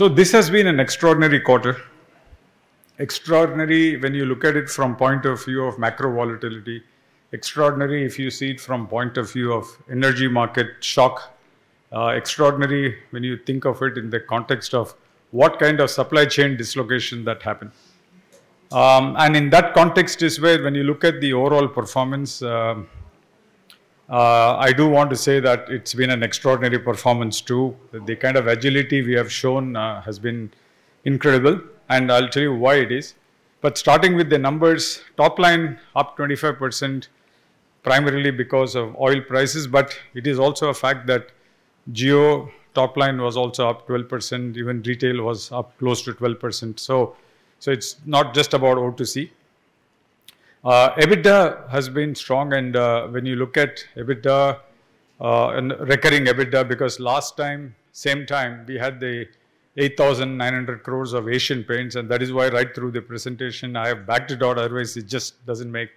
This has been an extraordinary quarter. Extraordinary when you look at it from point of view of macro volatility. Extraordinary if you see it from point of view of energy market shock. Extraordinary when you think of it in the context of what kind of supply chain dislocation that happened. In that context is where when you look at the overall performance, I do want to say that it's been an extraordinary performance too. The kind of agility we have shown has been incredible, and I'll tell you why it is. Starting with the numbers, top line up 25%, primarily because of oil prices. It is also a fact that Jio top line was also up 12%, even retail was up close to 12%. It's not just about O2C. EBITDA has been strong. When you look at EBITDA and recurring EBITDA, because last time, same time, we had the 8,900 crores of Asian Paints. That is why right through the presentation, I have backed it out. Otherwise, it just doesn't make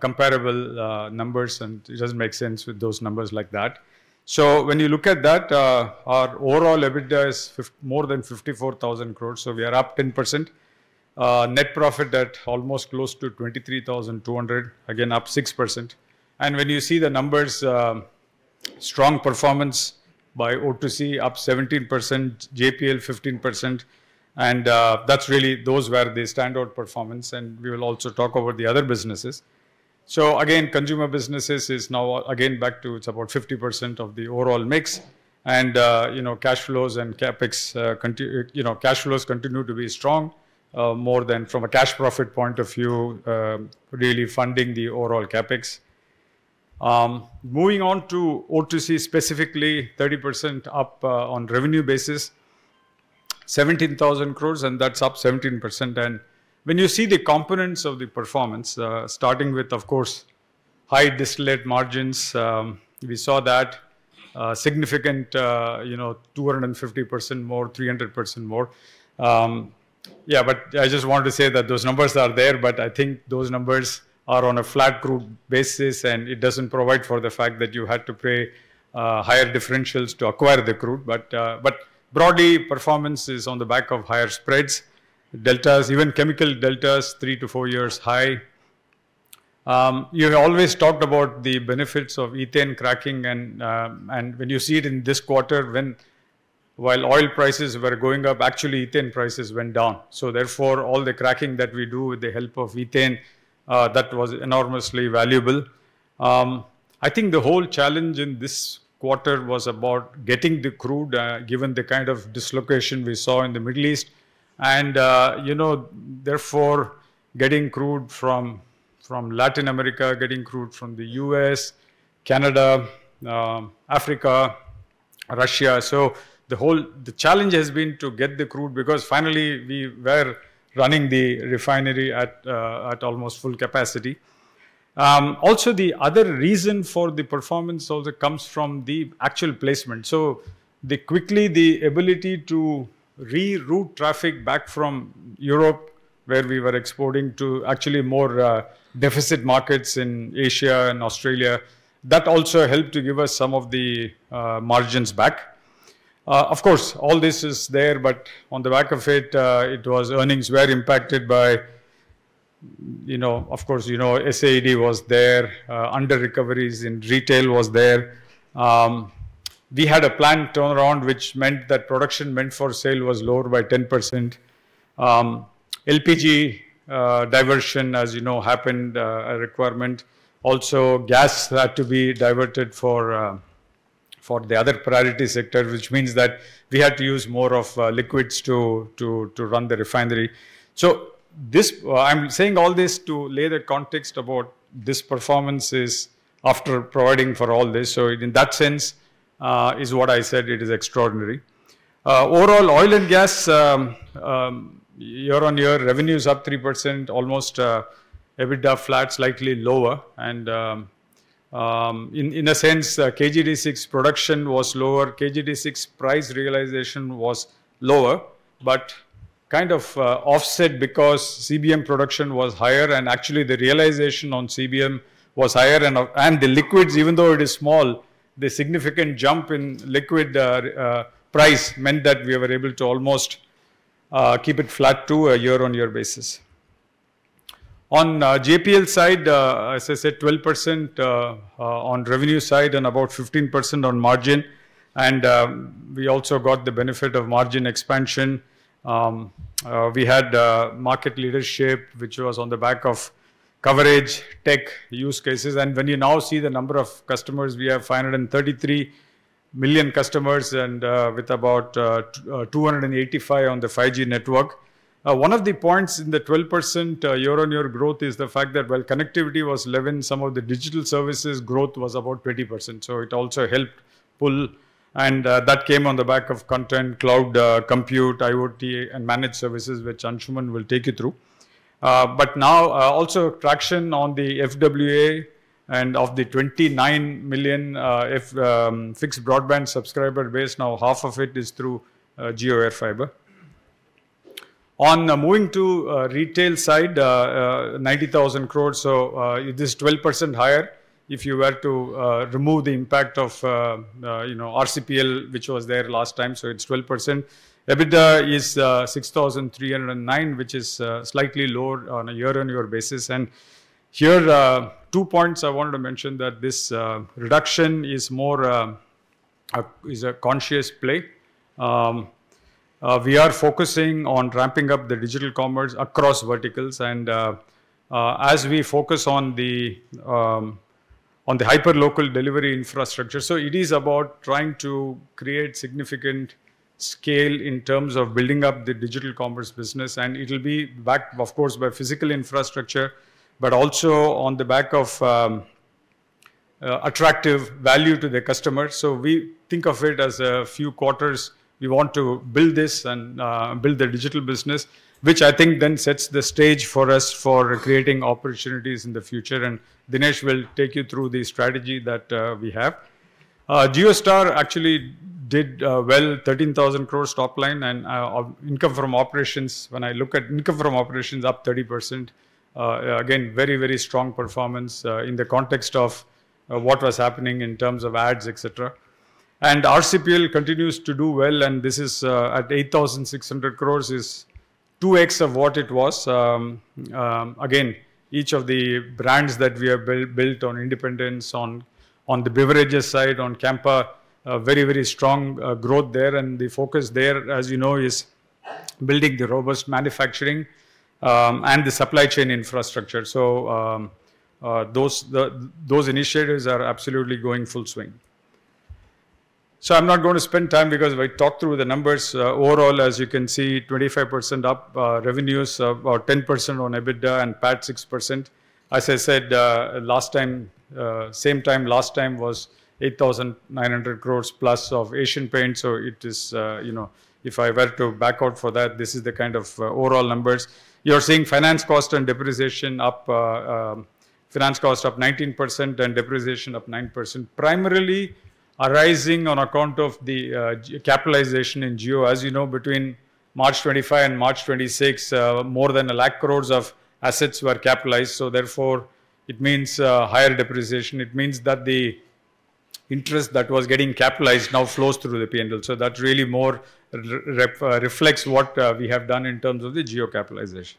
comparable numbers, and it doesn't make sense with those numbers like that. When you look at that, our overall EBITDA is more than 54,000 crores, we are up 10%. Net profit at almost close to 23,200, again up 6%. When you see the numbers, strong performance by O2C up 17%, JPL 15%. Those were the standout performance, and we will also talk about the other businesses. Again, consumer businesses is now again back to, it's about 50% of the overall mix. Cash flows continue to be strong, more than from a cash profit point of view, really funding the overall CapEx. Moving on to O2C, specifically 30% up on revenue basis, 17,000 crores, that's up 17%. When you see the components of the performance, starting with, of course, high distillate margins, we saw that significant 250% more, 300% more. I just wanted to say that those numbers are there, but I think those numbers are on a flat crude basis, and it doesn't provide for the fact that you had to pay higher differentials to acquire the crude. Broadly, performance is on the back of higher spreads. Deltas, even chemical deltas, 3 to 4 years high. You always talked about the benefits of ethane cracking, and when you see it in this quarter, while oil prices were going up, actually ethane prices went down. Therefore, all the cracking that we do with the help of ethane, that was enormously valuable. I think the whole challenge in this quarter was about getting the crude, given the kind of dislocation we saw in the Middle East. Therefore, getting crude from Latin America, getting crude from the U.S., Canada, Africa, Russia. The challenge has been to get the crude, because finally, we were running the refinery at almost full capacity. Also, the other reason for the performance also comes from the actual placement. Quickly the ability to reroute traffic back from Europe, where we were exporting to actually more deficit markets in Asia and Australia. That also helped to give us some of the margins back. Of course, all this is there, but on the back of it, earnings were impacted by, of course, SAED was there, underrecoveries in retail was there. We had a planned turnaround, which meant that production meant for sale was lower by 10%. LPG diversion, as you know, happened, a requirement. Also, gas had to be diverted for the other priority sector, which means that we had to use more of liquids to run the refinery. I'm saying all this to lay the context about this performance is after providing for all this. In that sense, is what I said, it is extraordinary. Overall, oil and gas year-over-year revenue is up 3%, almost EBITDA flat, slightly lower, and in a sense, KGD 6 production was lower. KGD 6 price realization was lower. Kind of offset because CBM production was higher, and actually the realization on CBM was higher, and the liquids, even though it is small, the significant jump in liquid price meant that we were able to almost keep it flat too year-over-year basis. On JPL side, as I said, 12% on revenue side and about 15% on margin, and we also got the benefit of margin expansion. We had market leadership, which was on the back of coverage, tech, use cases. When you now see the number of customers, we have 533 million customers, and with about 285 on the 5G network. One of the points in the 12% year-over-year growth is the fact that while connectivity was 11%, some of the digital services growth was about 20%. It also helped pull, and that came on the back of content, cloud, compute, IoT, and managed services, which Anshuman will take you through. Now, also traction on the FWA, and of the 29 million fixed broadband subscriber base, now half of it is through Jio AirFiber. On moving to retail side, 90,000 crore, it is 12% higher if you were to remove the impact of RCPL, which was there last time, it is 12%. EBITDA is 6,309, which is slightly lower on a year-over-year basis. Here, two points I wanted to mention that this reduction is a conscious play. We are focusing on ramping up the digital commerce across verticals and as we focus on the hyperlocal delivery infrastructure. It is about trying to create significant scale in terms of building up the digital commerce business. It will be backed, of course, by physical infrastructure, but also on the back of attractive value to the customer. We think of it as a few quarters. We want to build this and build the digital business, which I think then sets the stage for us for creating opportunities in the future. Dinesh will take you through the strategy that we have. JioStar actually did well, 13,000 crore top line and income from operations, when I look at income from operations up 30%. Again, very strong performance in the context of what was happening in terms of ads, et cetera. RCPL continues to do well, and this is at 8,600 crore is 2X of what it was. Again, each of the brands that we have built on Independence on the beverages side, on Campa, very strong growth there. The focus there, as you know, is building the robust manufacturing and the supply chain infrastructure. Those initiatives are absolutely going full swing. I am not going to spend time because we talked through the numbers. Overall, as you can see, 25% up revenues, about 10% on EBITDA and PAT 6%. As I said, same time last time was 8,900 crore plus of Asian Paints. If I were to back out for that, this is the kind of overall numbers. You are seeing finance cost up 19% and depreciation up 9%, primarily arising on account of the capitalization in Jio. As you know, between March 2025 and March 2026, more than 1 lakh crore of assets were capitalized. Therefore, it means higher depreciation. It means that the interest that was getting capitalized now flows through the P&L. That really more reflects what we have done in terms of the Jio capitalization.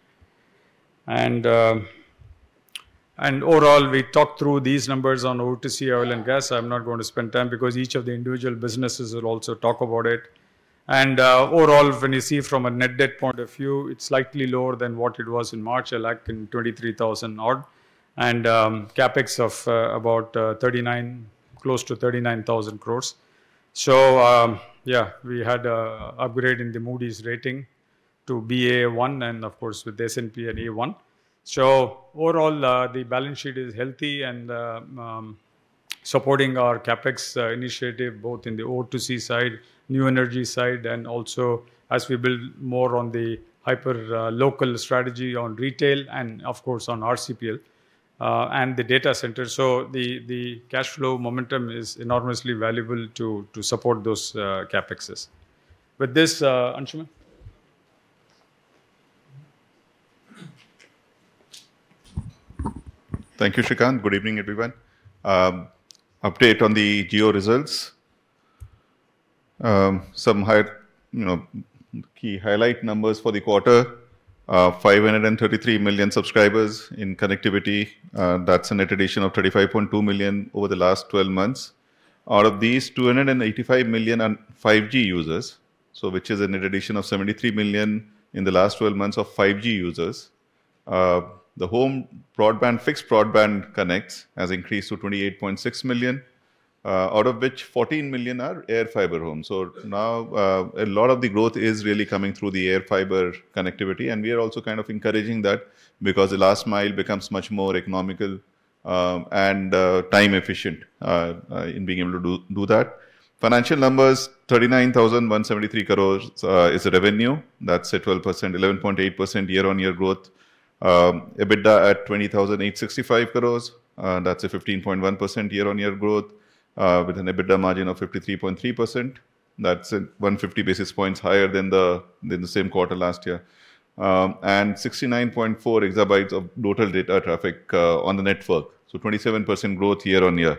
Overall, we talked through these numbers on O2C oil and gas. I am not going to spend time because each of the individual businesses will also talk about it. Overall, when you see from a net debt point of view, it is slightly lower than what it was in March, 123,000 odd. CapEx of close to 39,000 crore. Yeah, we had an upgrade in the Moody's rating to Baa1 and, of course, with S&P an A-. Overall, the balance sheet is healthy and supporting our CapEx initiative, both in the O2C side, new energy side, and also as we build more on the hyperlocal strategy on retail and, of course, on RCPL and the data center. The cash flow momentum is enormously valuable to support those CapEx. With this, Anshuman. Thank you, Srikanth. Good evening, everyone. Update on the Jio results. Some key highlight numbers for the quarter, 533 million subscribers in connectivity. That is a net addition of 35.2 million over the last 12 months. Out of these, 285 million are 5G users, which is a net addition of 73 million in the last 12 months of 5G users. The home fixed broadband connects has increased to 28.6 million, out of which 14 million are AirFiber homes. Now, a lot of the growth is really coming through the AirFiber connectivity, and we are also kind of encouraging that because the last mile becomes much more economical and time efficient in being able to do that. Financial numbers, 39,173 crore is the revenue. That is an 11.8% year-on-year growth. EBITDA at 20,865 crore, that is a 15.1% year-on-year growth, with an EBITDA margin of 53.3%. That's 150 basis points higher than the same quarter last year. 69.4 exabytes of total data traffic on the network, 27% growth year-on-year.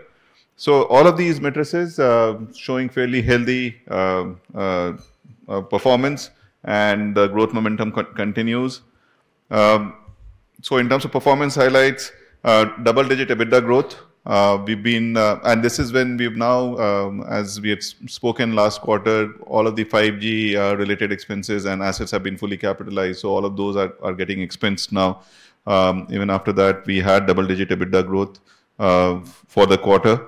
All of these metrics is showing fairly healthy performance and the growth momentum continues. In terms of performance highlights, double-digit EBITDA growth. This is when we've now, as we had spoken last quarter, all of the 5G related expenses and assets have been fully capitalized, so all of those are getting expensed now. Even after that, we had double-digit EBITDA growth for the quarter.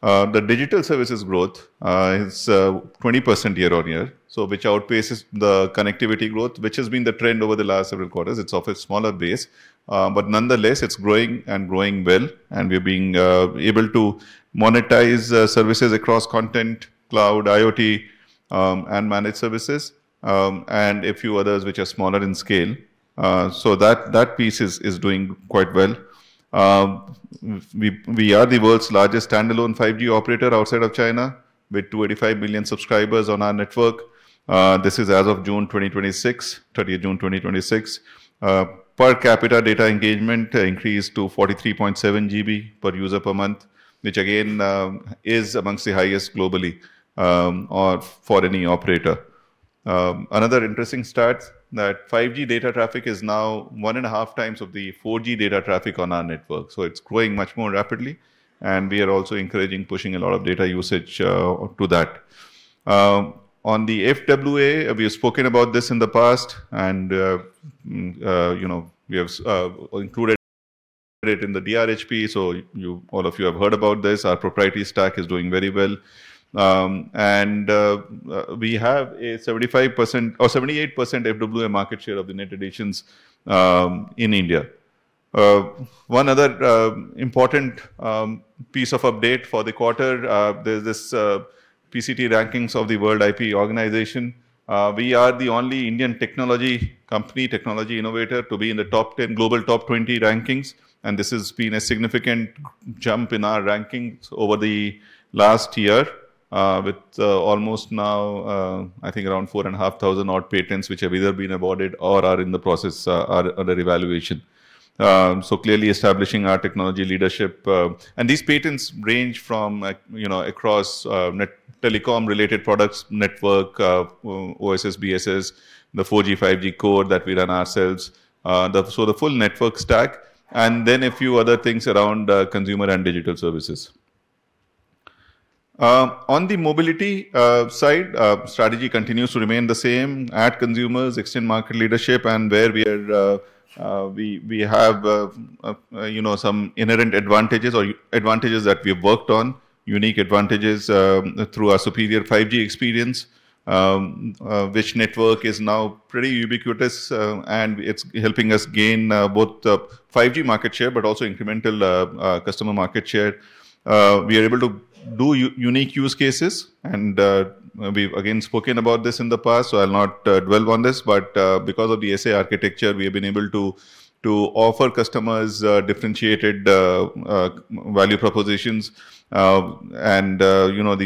The digital services growth is 20% year-on-year, which outpaces the connectivity growth, which has been the trend over the last several quarters. It's of a smaller base. Nonetheless, it's growing and growing well, and we're being able to monetize services across content, cloud, IoT, and managed services, and a few others, which are smaller in scale. That piece is doing quite well. We are the world's largest standalone 5G operator outside of China, with 285 million subscribers on our network. This is as of 30th June 2026. Per capita data engagement increased to 43.7 GB per user per month, which again, is amongst the highest globally for any operator. Another interesting stat, that 5G data traffic is now one and a half times of the 4G data traffic on our network. It's growing much more rapidly, and we are also encouraging pushing a lot of data usage to that. On the FWA, we have spoken about this in the past and we have included it in the DRHP, so all of you have heard about this. Our proprietary stack is doing very well. We have a 78% FWA market share of the net additions in India. One other important piece of update for the quarter, there's this PCT rankings of the World IP Organization. We are the only Indian technology company, technology innovator to be in the global top 20 rankings, and this has been a significant jump in our rankings over the last year, with almost now, I think around 4,500 odd patents which have either been awarded or are in the process, are under evaluation. Clearly establishing our technology leadership. These patents range from across telecom related products, network, OSS, BSS, the 4G, 5G code that we run ourselves. The full network stack, and then a few other things around consumer and digital services. On the mobility side, strategy continues to remain the same. Add consumers, extend market leadership, where we have some inherent advantages or advantages that we've worked on, unique advantages through our superior 5G experience, which network is now pretty ubiquitous, and it's helping us gain both 5G market share, also incremental customer market share. We are able to do unique use cases, we've again spoken about this in the past, I'll not dwell on this, because of the SA architecture, we have been able to offer customers differentiated value propositions. These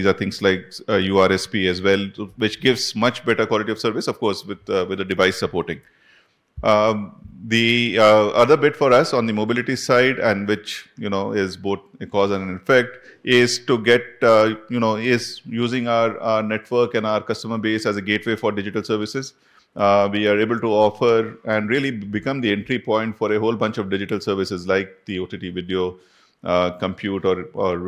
are things like URSP as well, which gives much better quality of service, of course, with the device supporting. The other bit for us on the mobility side and which is both a cause and an effect is using our network and our customer base as a gateway for digital services. We are able to offer and really become the entry point for a whole bunch of digital services like the OTT video, compute or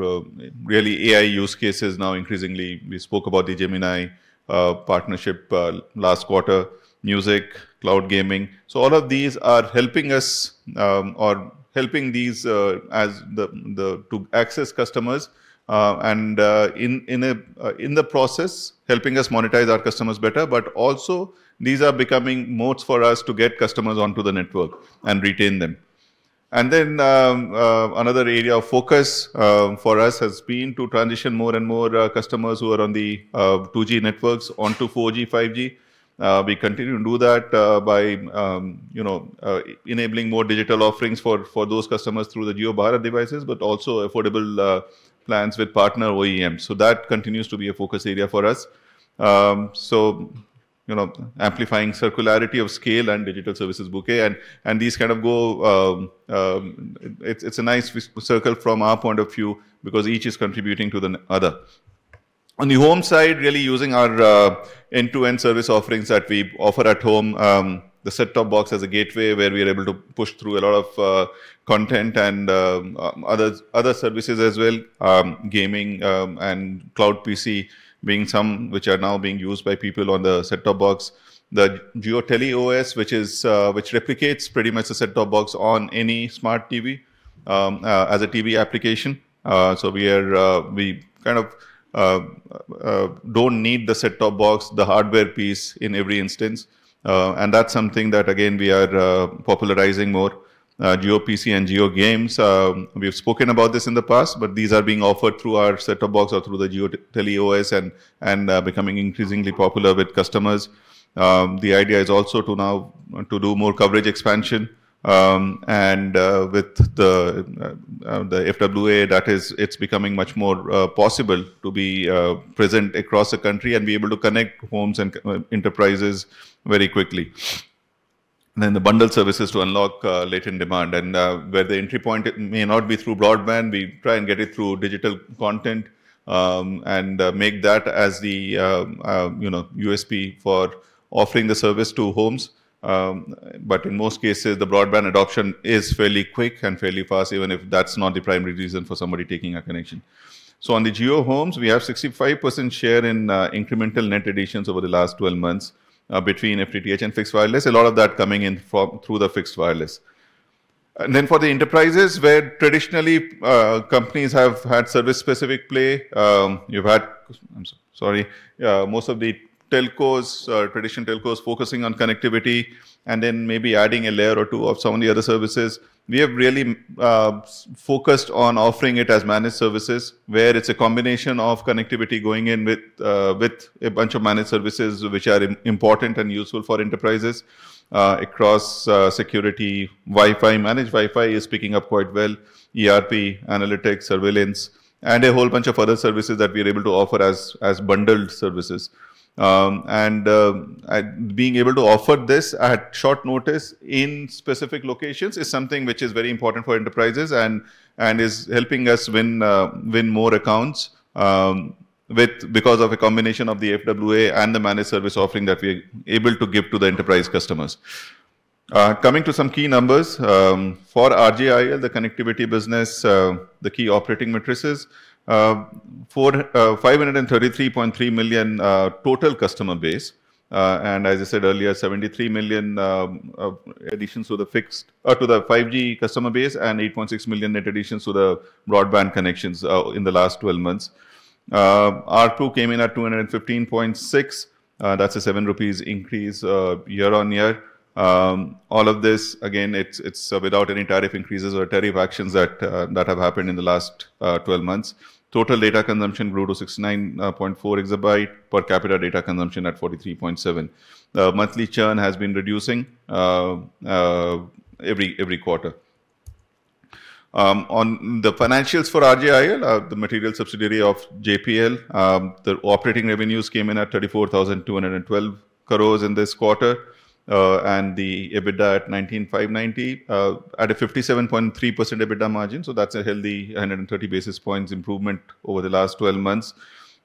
really AI use cases now increasingly. We spoke about the Gemini partnership last quarter, music, cloud gaming. All of these are helping us or helping these to access customers, and in the process, helping us monetize our customers better, but also these are becoming modes for us to get customers onto the network and retain them. Another area of focus for us has been to transition more and more customers who are on the 2G networks onto 4G, 5G. We continue to do that by enabling more digital offerings for those customers through the JioBharat devices, but also affordable plans with partner OEMs. That continues to be a focus area for us. Amplifying circularity of scale and digital services bouquet, it's a nice circle from our point of view because each is contributing to the other. On the home side, really using our end-to-end service offerings that we offer at home, the set-top box as a gateway where we are able to push through a lot of content and other services as well. Gaming and cloud PC being some which are now being used by people on the set-top box. The JioTV OS, which replicates pretty much the set-top box on any smart TV, as a TV application. We kind of don't need the set-top box, the hardware piece in every instance. That's something that again we are popularizing more. JioPC and JioGames, we've spoken about this in the past, but these are being offered through our set-top box or through the JioTV OS, and becoming increasingly popular with customers. The idea is also to now to do more coverage expansion. With the FWA, it's becoming much more possible to be present across the country and be able to connect homes and enterprises very quickly. The bundle services to unlock latent demand, and where the entry point may not be through broadband, we try and get it through digital content, and make that as the USP for offering the service to homes. In most cases, the broadband adoption is fairly quick and fairly fast, even if that's not the primary reason for somebody taking a connection. On the Jio homes, we have 65% share in incremental net additions over the last 12 months between FTTH and fixed wireless. A lot of that coming in through the fixed wireless. For the enterprises, where traditionally companies have had service specific play, most of the traditional telcos focusing on connectivity and then maybe adding a layer or two of some of the other services. We have really focused on offering it as managed services, where it's a combination of connectivity going in with a bunch of managed services, which are important and useful for enterprises across security, Wi-Fi. Managed Wi-Fi is picking up quite well. ERP, analytics, surveillance, and a whole bunch of other services that we are able to offer as bundled services. Being able to offer this at short notice in specific locations is something which is very important for enterprises and is helping us win more accounts because of a combination of the FWA and the managed service offering that we are able to give to the enterprise customers. Coming to some key numbers. For RJIL, the connectivity business, the key operating metrics: 533.3 million total customer base. As I said earlier, 73 million additions to the 5G customer base and 8.6 million net additions to the broadband connections in the last 12 months. ARPU came in at 215.6. That's a 7 rupees increase year-on-year. All of this, again, it's without any tariff increases or tariff actions that have happened in the last 12 months. Total data consumption grew to 69.4 exabytes; per capita data consumption at 43.7 exabytes. Monthly churn has been reducing every quarter. On the financials for RJIL, the material subsidiary of JPL, their operating revenues came in at 34,212 crore in this quarter and the EBITDA at 19,590 crore at a 57.3% EBITDA margin. That's a healthy 130 basis points improvement over the last 12 months.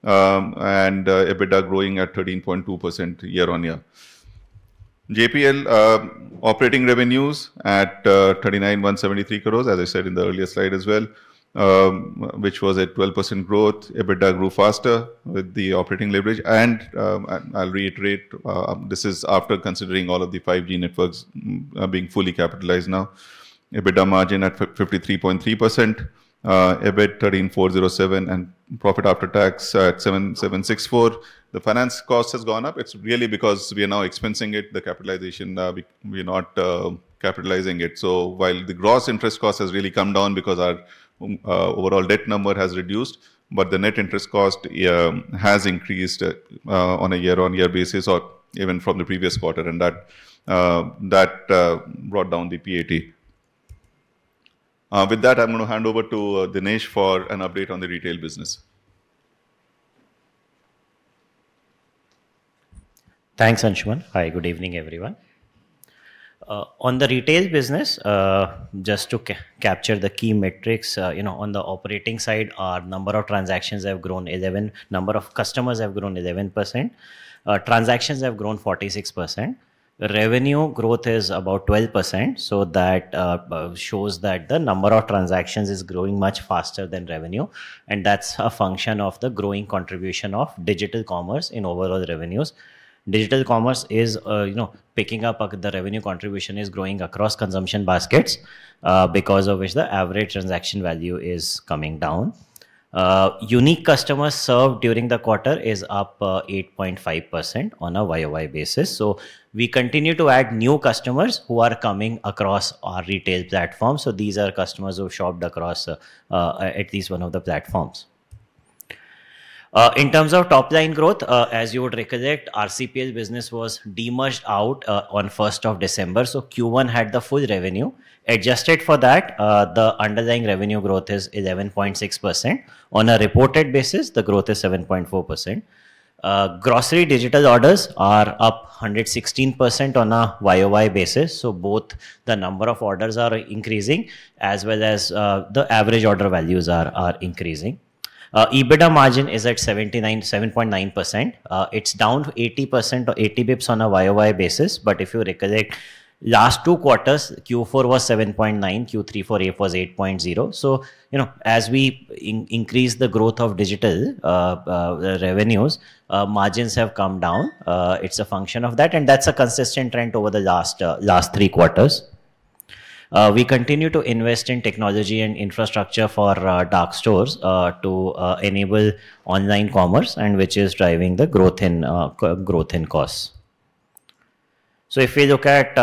EBITDA growing at 13.2% year-on-year. JPL operating revenues at 39,173 crore, as I said in the earlier slide as well, which was at 12% growth. EBITDA grew faster with the operating leverage. I'll reiterate this is after considering all of the 5G networks being fully capitalized now; EBITDA margin at 53.3%. EBIT 13,407 crore and profit after tax at 7,764 crore. The finance cost has gone up. It's really because we are now expensing it, the capitalization; we're not capitalizing it. While the gross interest cost has really come down because our overall debt number has reduced, but the net interest cost has increased on a year-on-year basis or even from the previous quarter, and that brought down the PAT. With that, I'm going to hand over to Dinesh for an update on the retail business. Thanks, Anshuman. Hi, good evening, everyone. On the retail business, just to capture the key metrics, on the operating side, our number of customers have grown 11%. Transactions have grown 46%. Revenue growth is about 12%. That shows that the number of transactions is growing much faster than revenue, and that's a function of the growing contribution of digital commerce in overall revenues. Digital commerce is picking up. The revenue contribution is growing across consumption baskets because of which the average transaction value is coming down. Unique customers served during the quarter is up 8.5% on a year-on-year basis. We continue to add new customers who are coming across our retail platform. These are customers who have shopped across at least one of the platforms. In terms of top-line growth, as you would recollect, RCPL business was de-merged out on 1st of December, Q1 had the full revenue. Adjusted for that, the underlying revenue growth is 11.6%. On a reported basis, the growth is 7.4%. Grocery digital orders are up 116% on a year-over-year basis. Both the number of orders are increasing as well as the average order values are increasing. EBITDA margin is at 7.9%. It is down 80 basis points on a year-over-year basis. But if you recollect, last two quarters, Q4 was 7.9%, Q3 for it was 8.0%. As we increase the growth of digital revenues, margins have come down. It is a function of that, and that is a consistent trend over the last three quarters. We continue to invest in technology and infrastructure for dark stores to enable online commerce and which is driving the growth in costs. If we look at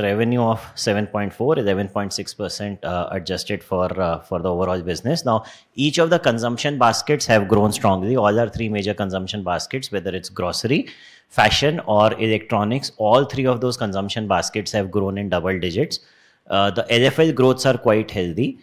revenue of 7.4%, 11.6% adjusted for the overall business. Each of the consumption baskets have grown strongly. All our three major consumption baskets, whether it is grocery, fashion or electronics, all three of those consumption baskets have grown in double digits. The LFL growths are quite healthy.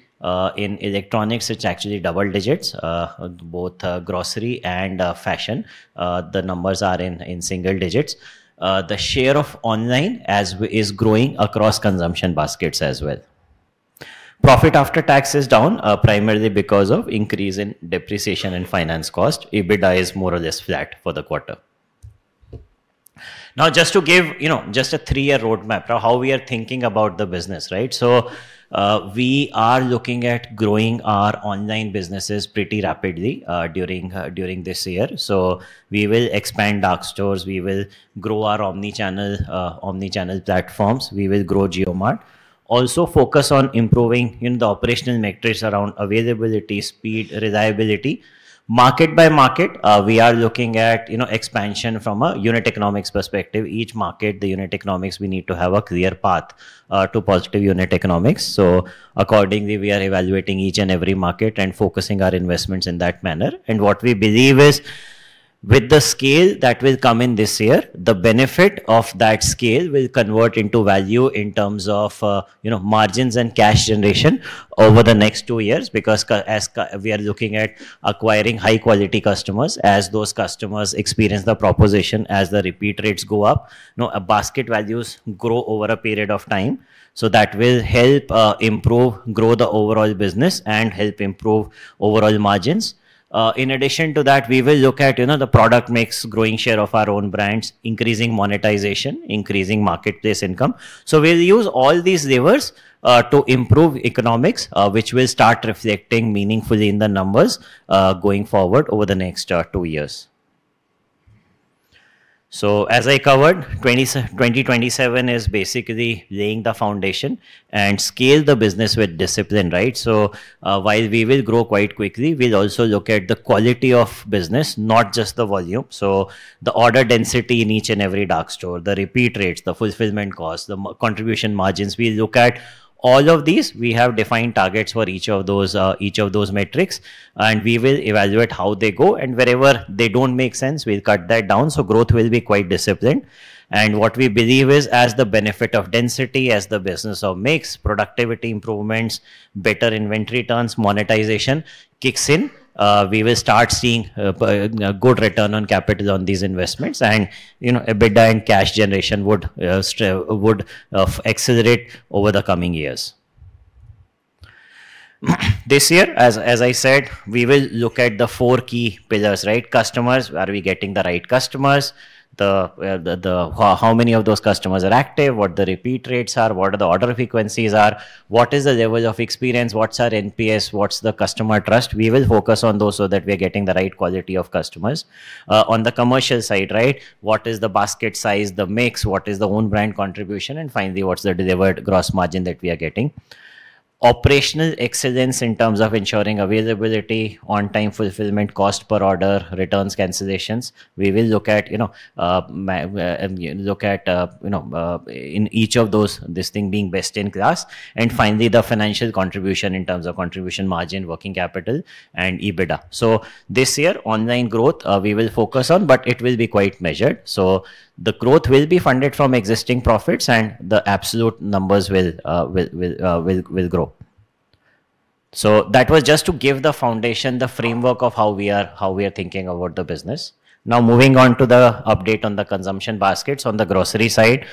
In electronics, it is actually double digits. Both grocery and fashion, the numbers are in single digits. The share of online is growing across consumption baskets as well. Profit after tax is down primarily because of increase in depreciation and finance cost. EBITDA is more or less flat for the quarter. Just to give a three-year roadmap for how we are thinking about the business, right? We are looking at growing our online businesses pretty rapidly during this year. We will expand dark stores. We will grow our omnichannel platforms. We will grow JioMart. Also focus on improving the operational metrics around availability, speed, reliability. Market by market, we are looking at expansion from a unit economics perspective. Each market, the unit economics, we need to have a clear path to positive unit economics. Accordingly, we are evaluating each and every market and focusing our investments in that manner. What we believe is with the scale that will come in this year, the benefit of that scale will convert into value in terms of margins and cash generation over the next two years, because as we are looking at acquiring high-quality customers, as those customers experience the proposition, as the repeat rates go up, basket values grow over a period of time. That will help improve, grow the overall business, and help improve overall margins. In addition to that, we will look at the product mix, growing share of our own brands, increasing monetization, increasing marketplace income. We will use all these levers to improve economics, which will start reflecting meaningfully in the numbers, going forward over the next two years. As I covered, 2027 is basically laying the foundation and scale the business with discipline. While we will grow quite quickly, we will also look at the quality of business, not just the volume. The order density in each and every dark store, the repeat rates, the fulfillment cost, the contribution margins, we will look at all of these. We have defined targets for each of those metrics, and we will evaluate how they go, and wherever they do not make sense, we will cut that down. Growth will be quite disciplined. What we believe is as the benefit of density, as the benefit of mix, productivity improvements, better inventory turns, monetization kicks in, we will start seeing good return on capital on these investments. EBITDA and cash generation would accelerate over the coming years. This year, as I said, we will look at the four key pillars. Customers, are we getting the right customers? How many of those customers are active? What the repeat rates are? What the order frequencies are? What is the level of experience? What's our NPS? What's the customer trust? We will focus on those so that we're getting the right quality of customers. On the commercial side, what is the basket size, the mix, what is the own brand contribution? Finally, what's the delivered gross margin that we are getting? Operational excellence in terms of ensuring availability, on-time fulfillment, cost per order, returns, cancellations. We will look at in each of those, this thing being best in class. Finally, the financial contribution in terms of contribution margin, working capital, and EBITDA. This year, online growth, we will focus on, but it will be quite measured. The growth will be funded from existing profits, and the absolute numbers will grow. That was just to give the foundation, the framework of how we are thinking about the business. Now moving on to the update on the consumption baskets. On the grocery side,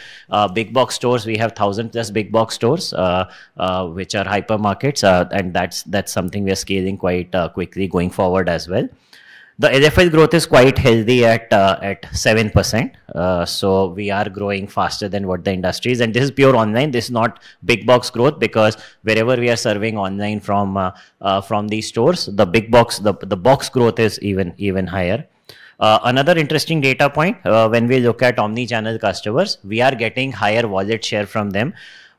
big-box stores, we have 1,000-plus big-box stores, which are hypermarkets, and that's something we are scaling quite quickly going forward as well. The LFL growth is quite healthy at 7%, so we are growing faster than what the industry is. This is pure online, this is not big-box growth because wherever we are serving online from these stores, the big-box growth is even higher. Another interesting data point, when we look at omni-channel customers, we are getting higher wallet share from them.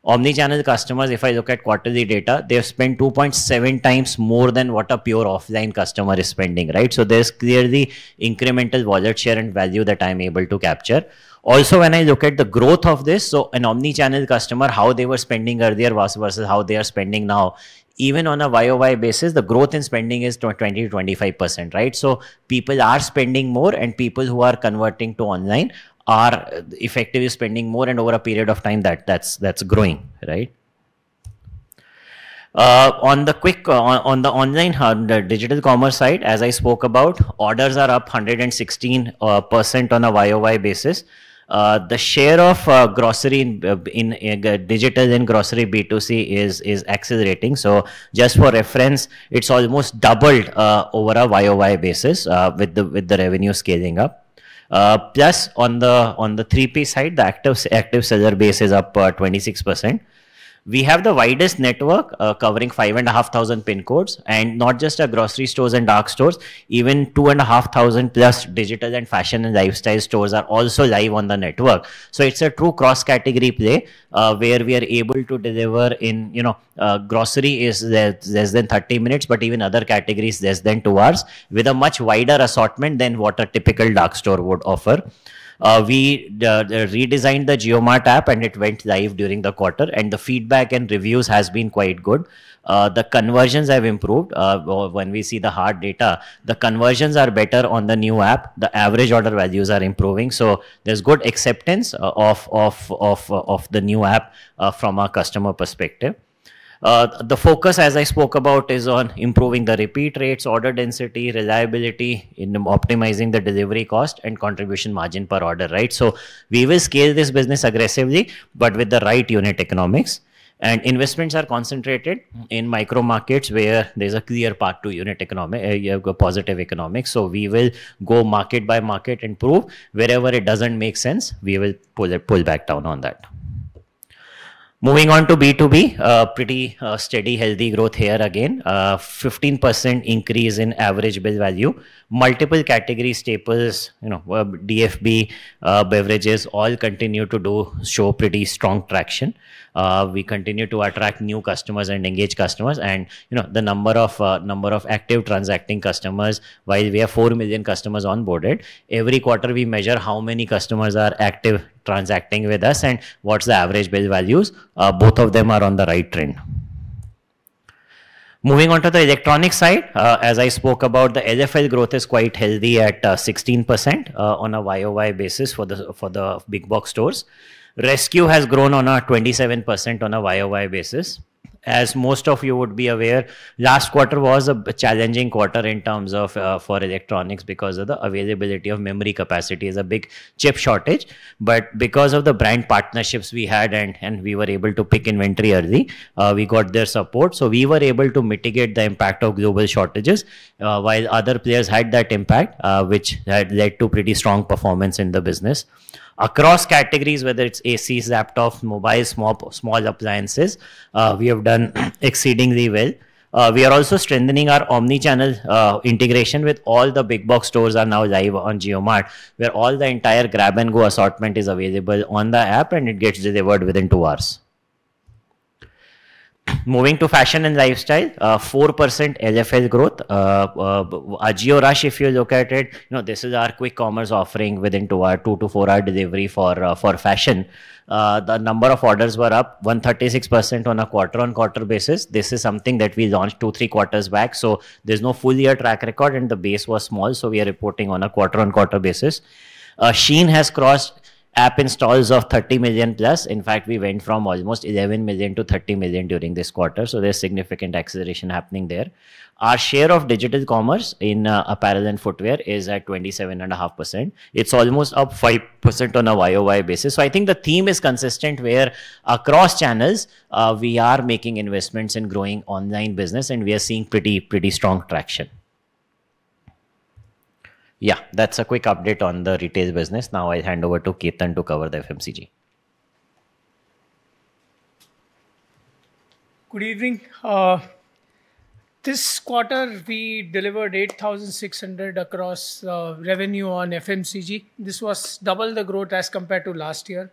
Omni-channel customers, if I look at quarterly data, they've spent 2.7 times more than what a pure offline customer is spending. There's clearly incremental wallet share and value that I'm able to capture. Also, when I look at the growth of this, an omni-channel customer, how they were spending earlier versus how they are spending now, even on a YOY basis, the growth in spending is 20%-25%. People are spending more, and people who are converting to online are effectively spending more and over a period of time that's growing. On the online, the digital commerce side, as I spoke about, orders are up 116% on a YOY basis. The share of digital in grocery B2C is accelerating. Just for reference, it's almost doubled over a YOY basis with the revenue scaling up. On the 3P side, the active seller base is up 26%. We have the widest network, covering 5,500 PIN codes. Not just our grocery stores and dark stores, even 2,500-plus digital and fashion and lifestyle stores are also live on the network. It's a true cross-category play, where we are able to deliver in, grocery is less than 30 minutes, but even other categories, less than two hours, with a much wider assortment than what a typical dark store would offer. We redesigned the JioMart app, it went live during the quarter, the feedback and reviews has been quite good. The conversions have improved. When we see the hard data, the conversions are better on the new app. The average order values are improving, so there's good acceptance of the new app from a customer perspective. The focus, as I spoke about, is on improving the repeat rates, order density, reliability, optimizing the delivery cost, and contribution margin per order. We will scale this business aggressively, but with the right unit economics. Investments are concentrated in micro markets where there's a clear path to unit economy positive economics. We will go market by market and prove. Wherever it doesn't make sense, we will pull back down on that. Moving on to B2B. Pretty steady, healthy growth here again. 15% increase in average bill value. Multiple category staples, DFB, beverages, all continue to show pretty strong traction. We continue to attract new customers and engage customers. The number of active transacting customers, while we have 4 million customers onboarded, every quarter, we measure how many customers are active transacting with us and what's the average bill values. Both of them are on the right trend. Moving on to the electronic side. As I spoke about, the LFL growth is quite healthy at 16% on a YOY basis for the big box stores. resQ has grown on a 27% on a YOY basis. As most of you would be aware, last quarter was a challenging quarter in terms of, for electronics because of the availability of memory capacity is a big chip shortage. Because of the brand partnerships we had, and we were able to pick inventory early, we got their support. We were able to mitigate the impact of global shortages, while other players had that impact, which had led to pretty strong performance in the business. Across categories, whether it's ACs, laptop, mobiles, small appliances, we have done exceedingly well. We are also strengthening our omni-channel integration with all the big box stores are now live on JioMart, where all the entire grab-and-go assortment is available on the app, and it gets delivered within two hours. Moving to fashion and lifestyle. 4% LFL growth. Our AJIO Rush, if you look at it, this is our quick commerce offering within two to four-hour delivery for fashion. The number of orders were up 136% on a quarter-on-quarter basis. This is something that we launched two, three quarters back, so there's no full-year track record, and the base was small, so we are reporting on a quarter-on-quarter basis. Shein has crossed app installs of 30 million+. In fact, we went from almost 11 million to 30 million during this quarter, there's significant acceleration happening there. Our share of digital commerce in apparel and footwear is at 27.5%. It's almost up 5% on a YOY basis. I think the theme is consistent, where across channels, we are making investments in growing online business, and we are seeing pretty strong traction. That's a quick update on the retail business. I'll hand over to Ketan to cover the FMCG. Good evening. This quarter, we delivered 8,600 across revenue on FMCG. This was double the growth as compared to last year.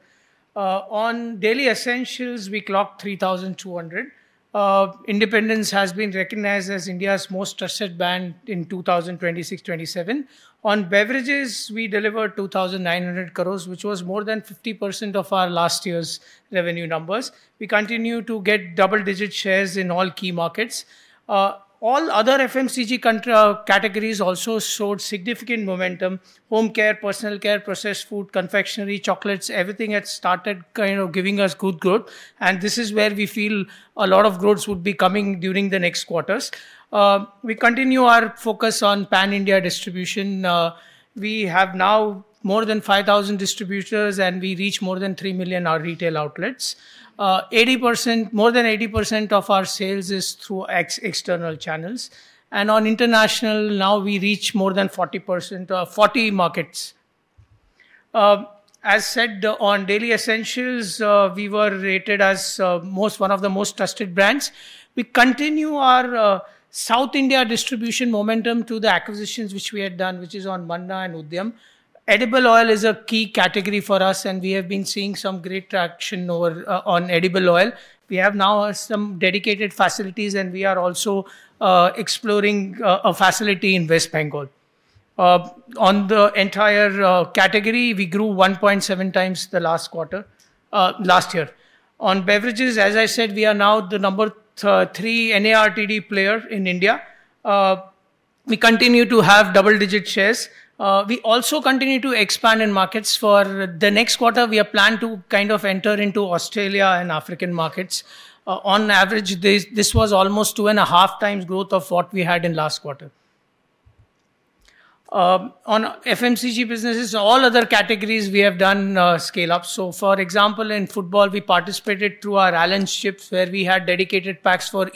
On daily essentials, we clocked 3,200. Independence has been recognized as India's most trusted brand in 2026/27. On beverages, we delivered 2,900 crore, which was more than 50% of our last year's revenue numbers. We continue to get double-digit shares in all key markets. All other FMCG categories also showed significant momentum. Home care, personal care, processed food, confectionery, chocolates, everything had started giving us good growth. This is where we feel a lot of growths would be coming during the next quarters. We continue our focus on pan-India distribution. We have now more than 5,000 distributors, and we reach more than 3 million retail outlets. More than 80% of our sales is through external channels. On international, now we reach more than 40 markets. As said on daily essentials, we were rated as one of the most trusted brands. We continue our South India distribution momentum to the acquisitions which we had done, which is on Manna and Udhaiyam. Edible oil is a key category for us, and we have been seeing some great traction on edible oil. We have now some dedicated facilities, and we are also exploring a facility in West Bengal. On the entire category, we grew 1.7 times the last year. On beverages, as I said, we are now the number 3 NARTD player in India. We continue to have double-digit shares. We also continue to expand in markets. For the next quarter, we plan to enter into Australia and African markets. On average, this was almost two and a half times growth of what we had in last quarter. On FMCG businesses, all other categories we have done scale-up. For example, in football, we participated through our alliance ships where we had dedicated packs for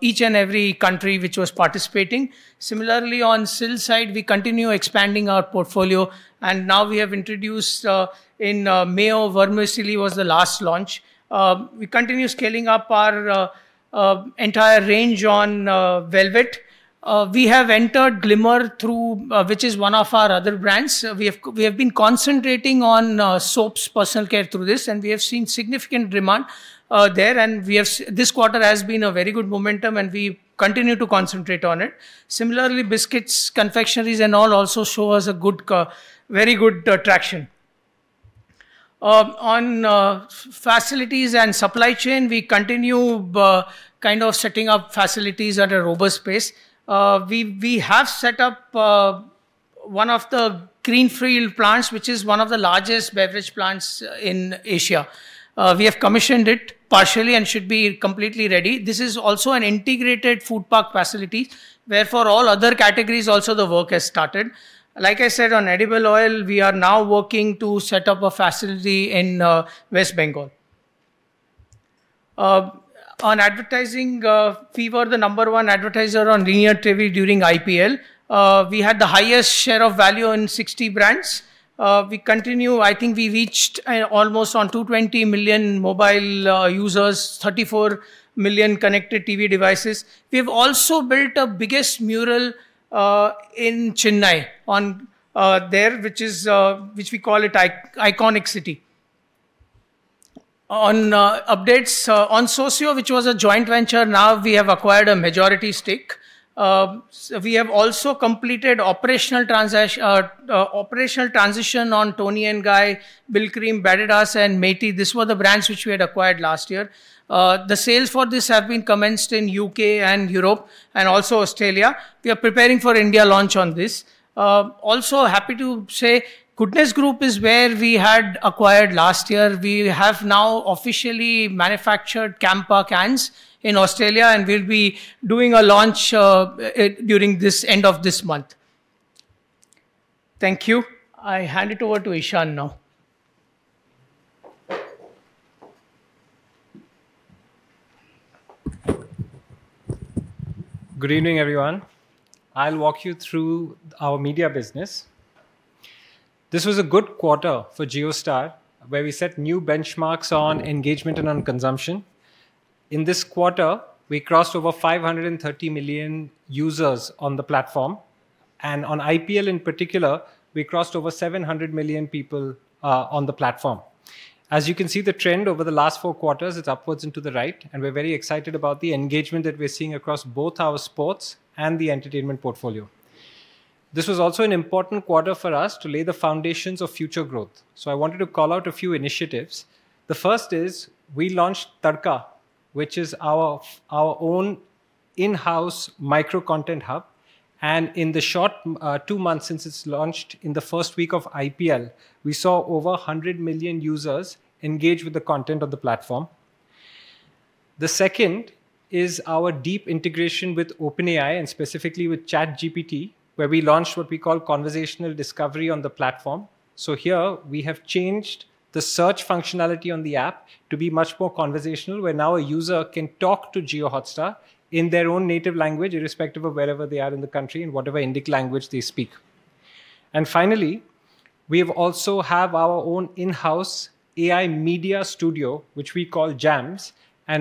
each and every country which was participating. Similarly, on SIL side, we continue expanding our portfolio, and now we have introduced in May, vermicelli was the last launch. We continue scaling up our entire range on Velvette. We have entered Glimmer, which is one of our other brands. We have been concentrating on soaps, personal care through this, and we have seen significant demand there, and this quarter has been a very good momentum, and we continue to concentrate on it. Similarly, biscuits, confectioneries, and all also show us very good traction. On facilities and supply chain, we continue setting up facilities at a robust pace. We have set up one of the greenfield plants, which is one of the largest beverage plants in Asia. We have commissioned it partially and should be completely ready. This is also an integrated food park facility where for all other categories also the work has started. Like I said, on edible oil, we are now working to set up a facility in West Bengal. On advertising, we were the number 1 advertiser on linear TV during IPL. We had the highest share of value on 60 brands. We continue. I think we reached almost 220 million mobile users, 34 million connected TV devices. We have also built a biggest mural in Chennai, on there, which we call it iconic city. On updates on Sosyo, which was a joint venture, now we have acquired a majority stake. We have also completed operational transition on Toni & Guy, Brylcreem, Badedas, and Matey. These were the brands which we had acquired last year. The sales for this have been commenced in U.K. and Europe, and also Australia. We are preparing for India launch on this. Also, happy to say Goodness Group is where we had acquired last year. We have now officially manufactured Campa cans in Australia, and we'll be doing a launch during the end of this month. Thank you. I hand it over to Ishan now. Good evening, everyone. I'll walk you through our media business. This was a good quarter for JioStar, where we set new benchmarks on engagement and on consumption. In this quarter, we crossed over 530 million users on the platform, and on IPL in particular, we crossed over 700 million people on the platform. As you can see the trend over the last four quarters, it's upwards and to the right, and we're very excited about the engagement that we're seeing across both our sports and the entertainment portfolio. This was also an important quarter for us to lay the foundations of future growth. I wanted to call out a few initiatives. The first is we launched Tadka, which is our own in-house micro content hub. In the short two months since it's launched, in the first week of IPL, we saw over 100 million users engage with the content of the platform. The second is our deep integration with OpenAI, and specifically with ChatGPT, where we launched what we call conversational discovery on the platform. Here, we have changed the search functionality on the app to be much more conversational, where now a user can talk to JioCinema in their own native language, irrespective of wherever they are in the country and whatever Indic language they speak. Finally, we also have our own in-house AI media studio, which we call Jamz.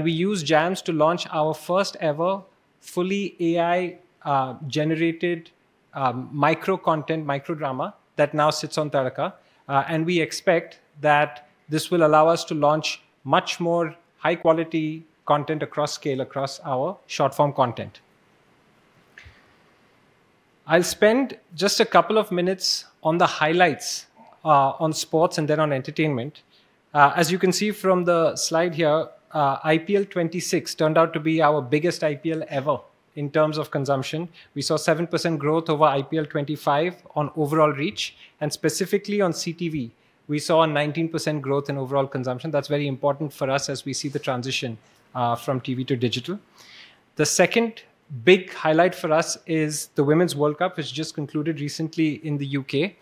We use Jamz to launch our first ever fully AI-generated micro content, micro drama that now sits on Tadka. We expect that this will allow us to launch much more high-quality content at scale across our short-form content. I'll spend just a couple of minutes on the highlights on sports and then on entertainment. As you can see from the slide here, IPL 26 turned out to be our biggest IPL ever in terms of consumption. We saw 7% growth over IPL 25 on overall reach, and specifically on CTV. We saw a 19% growth in overall consumption. That's very important for us as we see the transition from TV to digital. The second big highlight for us is the Women's World Cup, which just concluded recently in the U.K.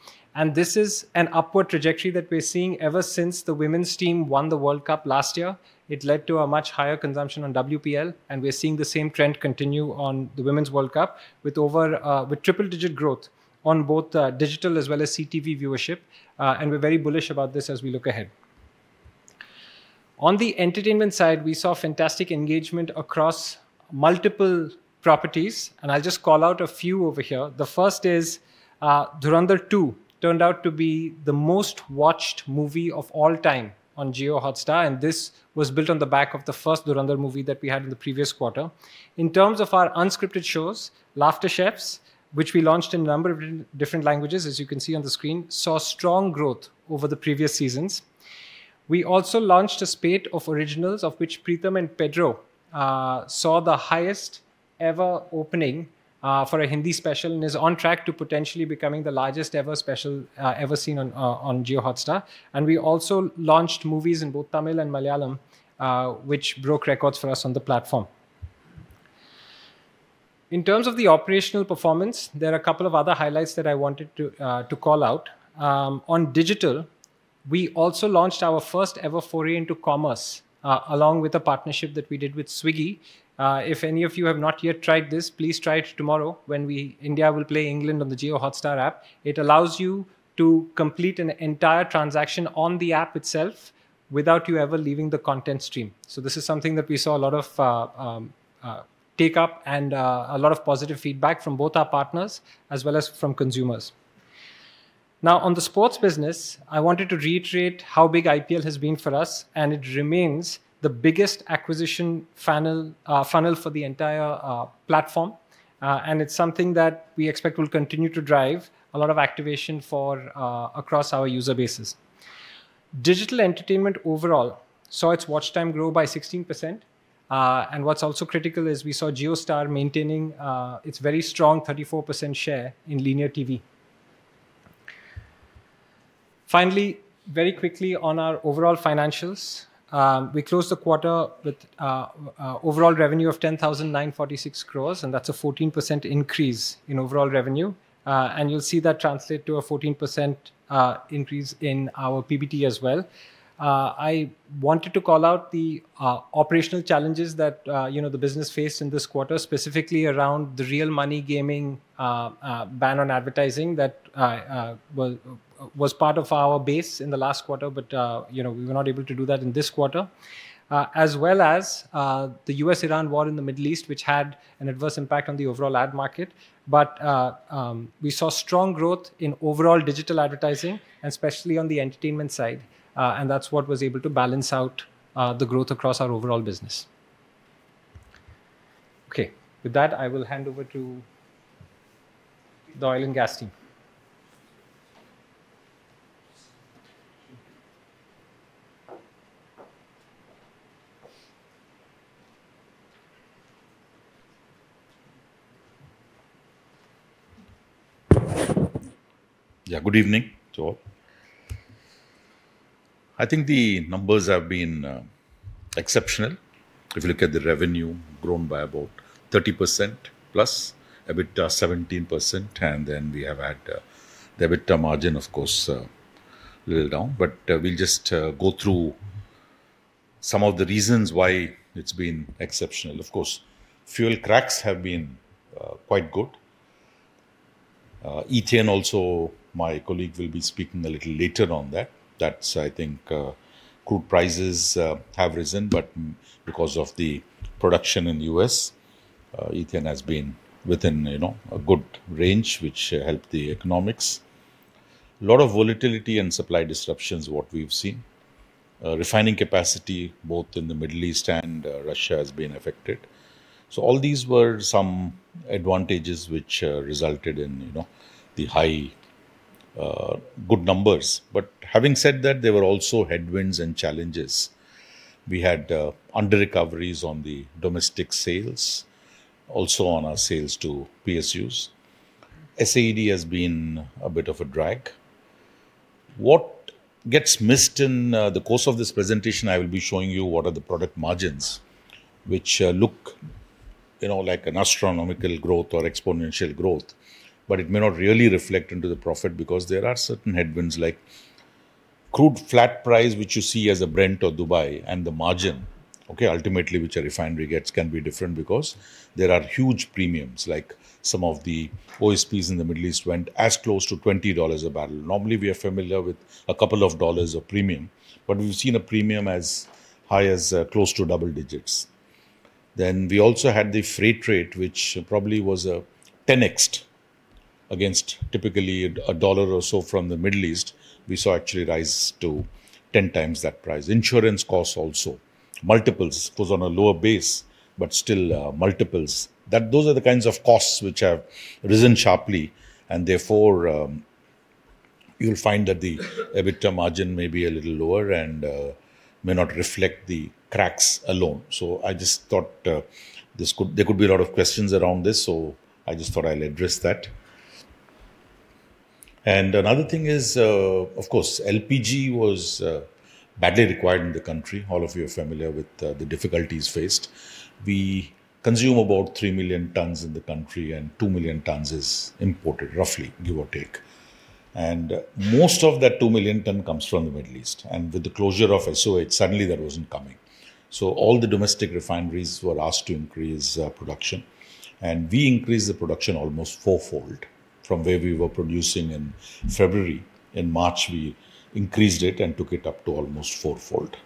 This is an upward trajectory that we're seeing ever since the women's team won the World Cup last year. It led to a much higher consumption on WPL. We're seeing the same trend continue on the Women's World Cup with triple-digit growth on both digital as well as CTV viewership. We're very bullish about this as we look ahead. On the entertainment side, we saw fantastic engagement across multiple properties, and I'll just call out a few over here. The first is "Drishyam 2" turned out to be the most-watched movie of all time on JioCinema, and this was built on the back of the first Drishyam movie that we had in the previous quarter. In terms of our unscripted shows, "Laughter Chefs," which we launched in a number of different languages, as you can see on the screen, saw strong growth over the previous seasons. We also launched a spate of originals, of which "Pritam and Pedro" saw the highest ever opening for a Hindi special, and is on track to potentially becoming the largest ever special ever seen on JioCinema. We also launched movies in both Tamil and Malayalam, which broke records for us on the platform. In terms of the operational performance, there are a couple of other highlights that I wanted to call out. On digital, we also launched our first-ever foray into commerce, along with a partnership that we did with Swiggy. If any of you have not yet tried this, please try it tomorrow when India will play England on the JioCinema app. It allows you to complete an entire transaction on the app itself without you ever leaving the content stream. This is something that we saw a lot of take-up and a lot of positive feedback from both our partners as well as from consumers. On the sports business, I wanted to reiterate how big IPL has been for us, and it remains the biggest acquisition funnel for the entire platform. It's something that we expect will continue to drive a lot of activation across our user bases. Digital entertainment overall saw its watch time grow by 16%. What's also critical is we saw JioStar maintaining its very strong 34% share in linear TV. Finally, very quickly on our overall financials. We closed the quarter with overall revenue of 10,946 crores, that's a 14% increase in overall revenue. You'll see that translate to a 14% increase in our PBT as well. I wanted to call out the operational challenges that the business faced in this quarter, specifically around the real money gaming ban on advertising that was part of our base in the last quarter. We were not able to do that in this quarter. As well as the U.S.-Iran war in the Middle East, which had an adverse impact on the overall ad market. We saw strong growth in overall digital advertising, especially on the entertainment side. That's what was able to balance out the growth across our overall business. With that, I will hand over to the oil and gas team. Good evening to all. I think the numbers have been exceptional. If you look at the revenue, grown by about 30%+, EBITDA 17%, then we have had the EBITDA margin, of course, a little down. We'll just go through some of the reasons why it's been exceptional. Of course, fuel cracks have been quite good. Ethane also, my colleague will be speaking a little later on that. That is I think crude prices have risen, but because of the production in the U.S., ethane has been within a good range, which helped the economics. A lot of volatility and supply disruptions are what we've seen. Refining capacity, both in the Middle East and Russia, has been affected. All these were some advantages which resulted in the high good numbers. Having said that, there were also headwinds and challenges. We had under-recoveries on the domestic sales, also on our sales to PSUs. SAED has been a bit of a drag. What gets missed in the course of this presentation, I will be showing you what are the product margins, which look like an astronomical growth or exponential growth, but it may not really reflect into the profit because there are certain headwinds like crude flat price, which you see as a Brent or Dubai, and the margin, okay, ultimately, which a refinery gets can be different because there are huge premiums, like some of the OSPs in the Middle East went as close to $20 a barrel. Normally, we are familiar with a couple of U.S. dollars of premium, but we've seen a premium as high as close to double digits. We also had the freight rate, which probably was 10x against typically a U.S. dollar or so from the Middle East. We saw actually rise to 10 times that price. Insurance costs also, multiples. It was on a lower base, but still, multiples. Those are the kinds of costs which have risen sharply, therefore, you'll find that the EBITDA margin may be a little lower and may not reflect the cracks alone. I just thought there could be a lot of questions around this, so I just thought I'll address that. Another thing is, of course, LPG was badly required in the country. All of you are familiar with the difficulties faced. We consume about 3 million tonnes in the country, and 2 million tonnes is imported, roughly, give or take. Most of that 2 million tonnes comes from the Middle East. With the closure of SOH, suddenly that wasn't coming. All the domestic refineries were asked to increase production, and we increased the production almost fourfold from where we were producing in February. In March, we increased it and took it up to almost fourfold.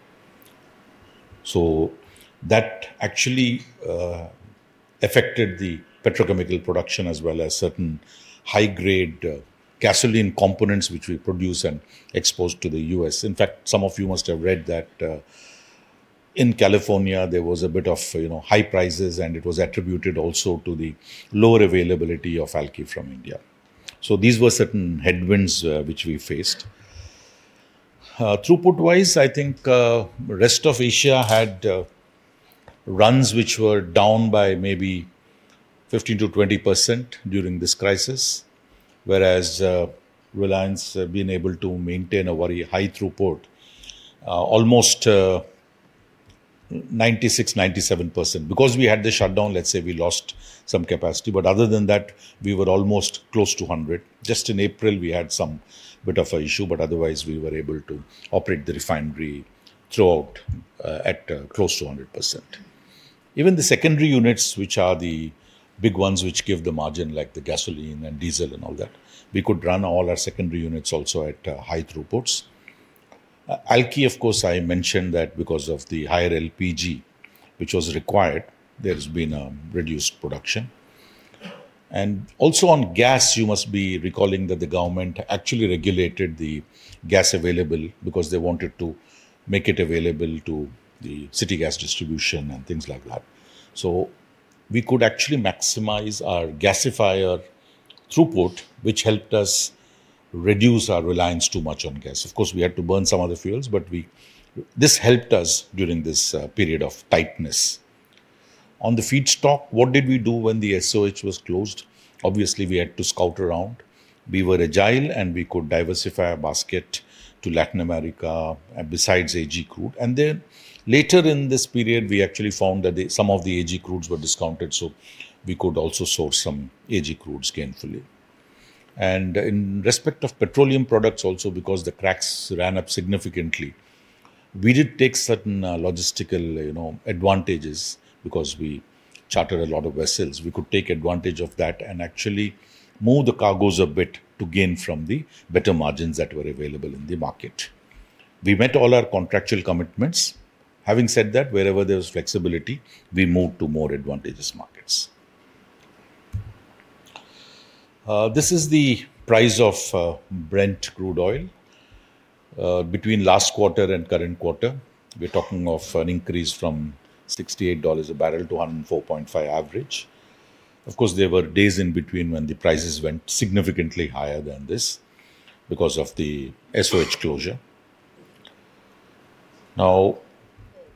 That actually affected the petrochemical production as well as certain high-grade gasoline components, which we produce and export to the U.S. In fact, some of you must have read that in California, there was a bit of high prices, and it was attributed also to the lower availability of Alky from India. These were certain headwinds which we faced. Throughput wise, I think rest of Asia had runs which were down by maybe 15%-20% during this crisis, whereas Reliance have been able to maintain a very high throughput, almost 96%-97%. We had the shutdown, let's say we lost some capacity. Other than that, we were almost close to 100%. Just in April, we had some bit of an issue. Otherwise, we were able to operate the refinery throughout at close to 100%. Even the secondary units, which are the big ones, which give the margin, like the gasoline and diesel and all that, we could run all our secondary units also at high throughputs. Alky, of course, I mentioned that because of the higher LPG, which was required, there's been a reduced production. Also on gas, you must be recalling that the government actually regulated the gas available because they wanted to make it available to the city gas distribution and things like that. We could actually maximize our gasifier throughput, which helped us reduce our reliance too much on gas. Of course, we had to burn some other fuels. This helped us during this period of tightness. On the feedstock, what did we do when the SOH was closed? Obviously, we had to scout around. We were agile, and we could diversify our basket to Latin America besides AG crude. Later in this period, we actually found that some of the AG crudes were discounted, we could also source some AG crudes gainfully. In respect of petroleum products, also because the cracks ran up significantly, we did take certain logistical advantages because we chartered a lot of vessels. We could take advantage of that and actually move the cargoes a bit to gain from the better margins that were available in the market. We met all our contractual commitments. Having said that, wherever there was flexibility, we moved to more advantageous markets. This is the price of Brent crude oil. Between last quarter and current quarter, we're talking of an increase from 68 dollars a barrel to 104.5 average. Of course, there were days in between when the prices went significantly higher than this because of the SOH closure.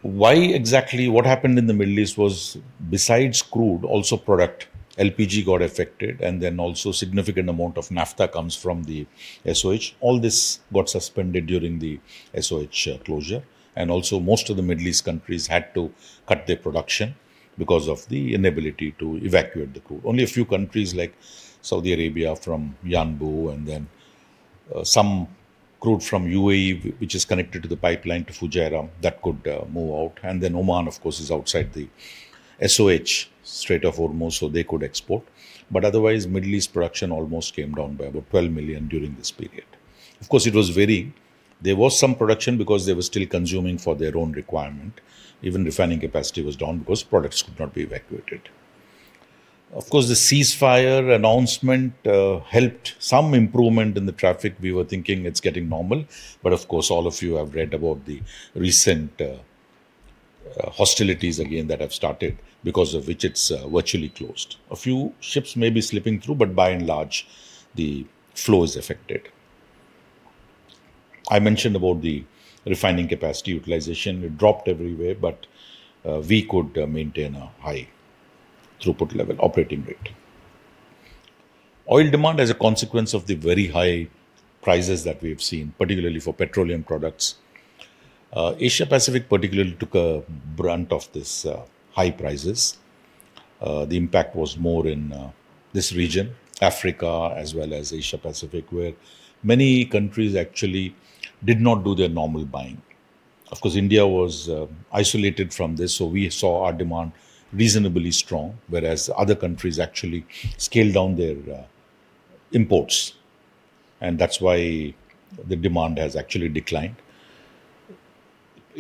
Why exactly what happened in the Middle East was besides crude, also product LPG got affected, also significant amount of naphtha comes from the SOH. All this got suspended during the SOH closure, also most of the Middle East countries had to cut their production because of the inability to evacuate the crude. Only a few countries like Saudi Arabia from Yanbu, some crude from UAE, which is connected to the pipeline to Fujairah, that could move out. Oman, of course, is outside the SOH, Strait of Hormuz, they could export. Otherwise, Middle East production almost came down by about 12 million during this period. Of course, there was some production because they were still consuming for their own requirement. Even refining capacity was down because products could not be evacuated. Of course, the ceasefire announcement helped some improvement in the traffic. We were thinking it's getting normal. Of course, all of you have read about the recent hostilities again that have started, because of which it's virtually closed. A few ships may be slipping through, by and large, the flow is affected. I mentioned about the refining capacity utilization. It dropped everywhere, we could maintain a high throughput level operating rate. Oil demand, as a consequence of the very high prices that we have seen, particularly for petroleum products. Asia Pacific particularly took the brunt of these high prices. The impact was more in this region, Africa, as well as Asia Pacific, where many countries actually did not do their normal buying. Of course, India was isolated from this, we saw our demand reasonably strong, whereas other countries actually scaled down their imports, and that's why the demand has actually declined.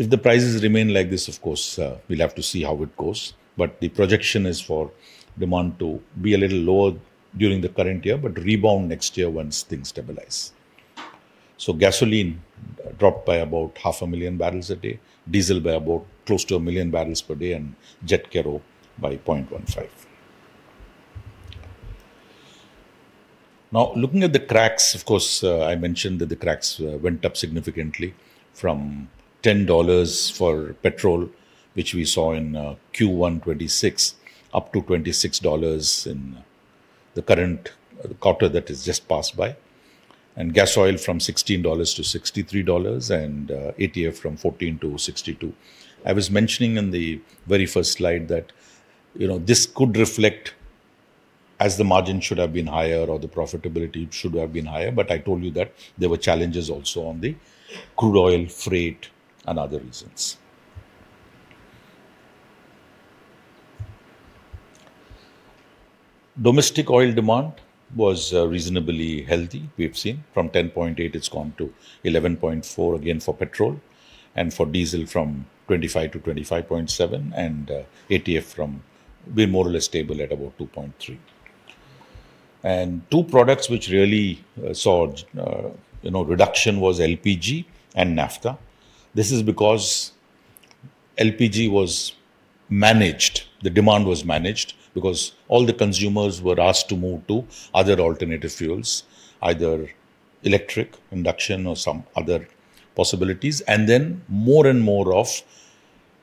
If the prices remain like this, of course, we'll have to see how it goes, but the projection is for demand to be a little lower during the current year but rebound next year once things stabilize. Gasoline dropped by about half a million barrels a day, diesel by about close to 1 million barrels per day, and jet kero by 0.15. Looking at the cracks, of course, I mentioned that the cracks went up significantly from INR 10 for petrol, which we saw in Q1 2026, up to INR 26 in the current quarter that has just passed by, gasoil from INR 16 to INR 63, and ATF from 14 to 62. I was mentioning in the very first slide that this could reflect as the margin should have been higher, or the profitability should have been higher, I told you that there were challenges also on the crude oil, freight, and other reasons. Domestic oil demand was reasonably healthy. We have seen from 10.8, it's gone to 11.4 again for petrol, and for diesel from 25 to 25.7, and ATF been more or less stable at about 2.3. Two products which really saw reduction was LPG and naphtha. This is because LPG was managed. The demand was managed because all the consumers were asked to move to other alternative fuels, either electric induction or some other possibilities, then more and more of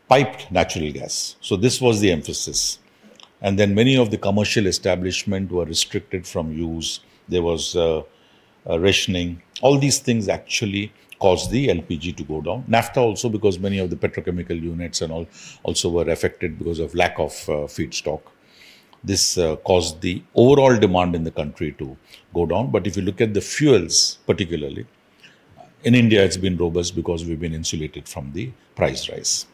piped natural gas. This was the emphasis. Then many of the commercial establishment were restricted from use. There was a rationing. All these things actually caused the LPG to go down. Naphtha also because many of the petrochemical units also were affected because of lack of feedstock. This caused the overall demand in the country to go down. If you look at the fuels, particularly, in India, it's been robust because we've been insulated from the price rise.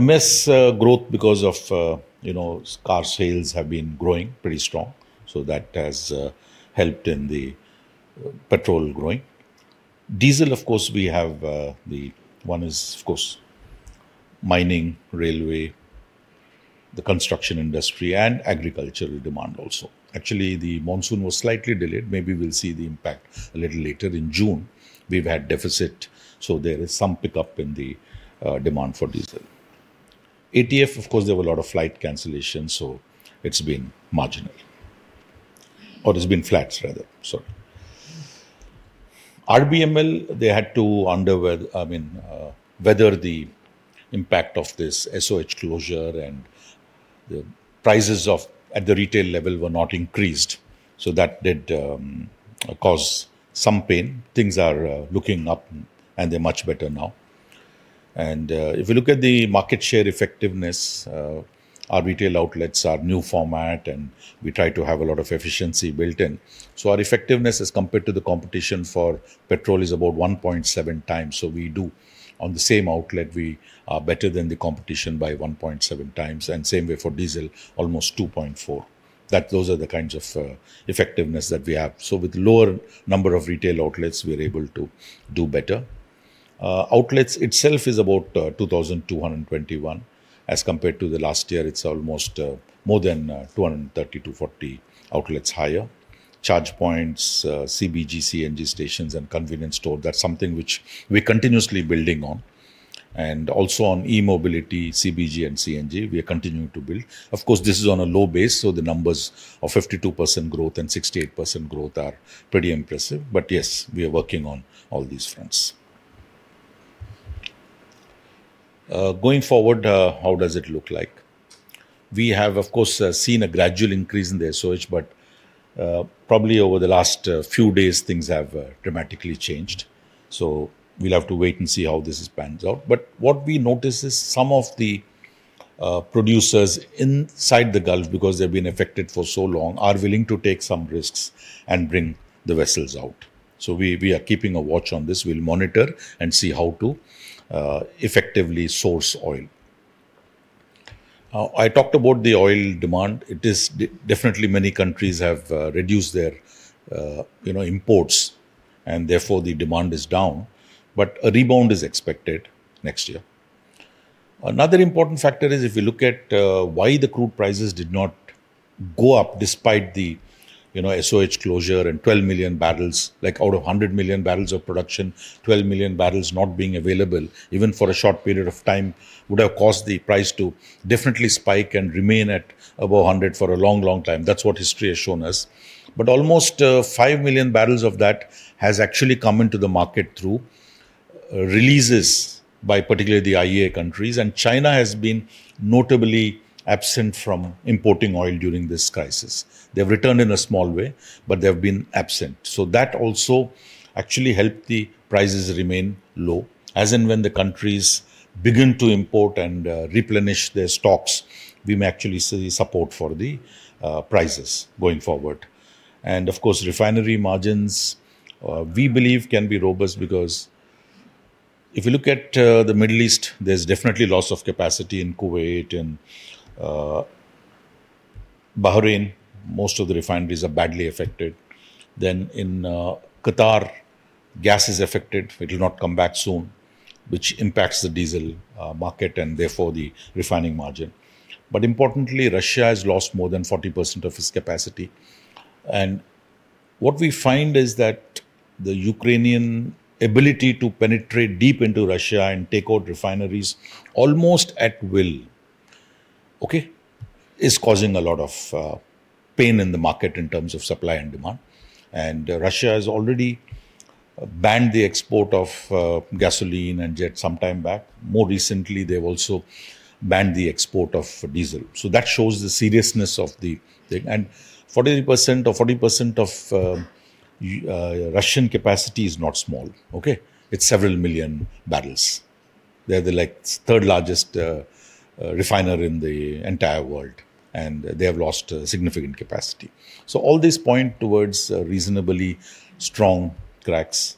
MS growth because of car sales have been growing pretty strong. That has helped in the petrol growing. Diesel, of course, we have the one is, of course, mining, railway, the construction industry, and agricultural demand also. Actually, the monsoon was slightly delayed. Maybe we'll see the impact a little later in June. We've had deficit, there is some pickup in the demand for diesel. ATF, of course, there were a lot of flight cancellations, it's been marginal. It's been flat rather, sorry. RBML, they had to undergo, I mean, whether the impact of this SOH closure and the prices at the retail level were not increased. That did cause some pain. Things are looking up and they're much better now. If you look at the market share effectiveness, our retail outlets, our new format, and we try to have a lot of efficiency built in. Our effectiveness as compared to the competition for petrol is about 1.7 times. We do, on the same outlet, we are better than the competition by 1.7 times. Same way for diesel, almost 2.4. Those are the kinds of effectiveness that we have. With lower number of retail outlets, we're able to do better. Outlets itself is about 2,221 as compared to the last year, it's almost more than 230-240 outlets higher. Charge points, CBG, CNG stations, and convenience stores, that's something which we're continuously building on. Also on e-mobility, CBG, and CNG, we are continuing to build. Of course, this is on a low base, so the numbers of 52% growth and 68% growth are pretty impressive. Yes, we are working on all these fronts. Going forward, how does it look like? We have, of course, seen a gradual increase in the SOH, probably over the last few days, things have dramatically changed. We'll have to wait and see how this pans out. What we notice is some of the producers inside the Gulf, because they've been affected for so long, are willing to take some risks and bring the vessels out. We are keeping a watch on this. We'll monitor and see how to effectively source oil. I talked about the oil demand. Definitely many countries have reduced their imports, and therefore the demand is down. A rebound is expected next year. Another important factor is if you look at why the crude prices did not go up despite the SOH closure and 12 million barrels, out of 100 million barrels of production, 12 million barrels not being available, even for a short period of time, would have caused the price to definitely spike and remain at above 100 for a long, long time. That's what history has shown us. Almost 5 million barrels of that has actually come into the market through releases by particularly the IEA countries, and China has been notably absent from importing oil during this crisis. They've returned in a small way, but they've been absent. That also actually helped the prices remain low. As and when the countries begin to import and replenish their stocks, we may actually see support for the prices going forward. Of course, refinery margins, we believe can be robust because if you look at the Middle East, there's definitely loss of capacity in Kuwait and Bahrain, most of the refineries are badly affected. In Qatar, gas is affected. It will not come back soon, which impacts the diesel market and therefore the refining margin. Importantly, Russia has lost more than 40% of its capacity. What we find is that the Ukrainian ability to penetrate deep into Russia and take out refineries almost at will, okay, is causing a lot of pain in the market in terms of supply and demand. Russia has already banned the export of gasoline and jet some time back. More recently, they've also banned the export of diesel. That shows the seriousness of the thing. 40% of Russian capacity is not small. Okay? It's several million barrels. They're the third-largest refiner in the entire world, and they have lost significant capacity. All this point towards reasonably strong cracks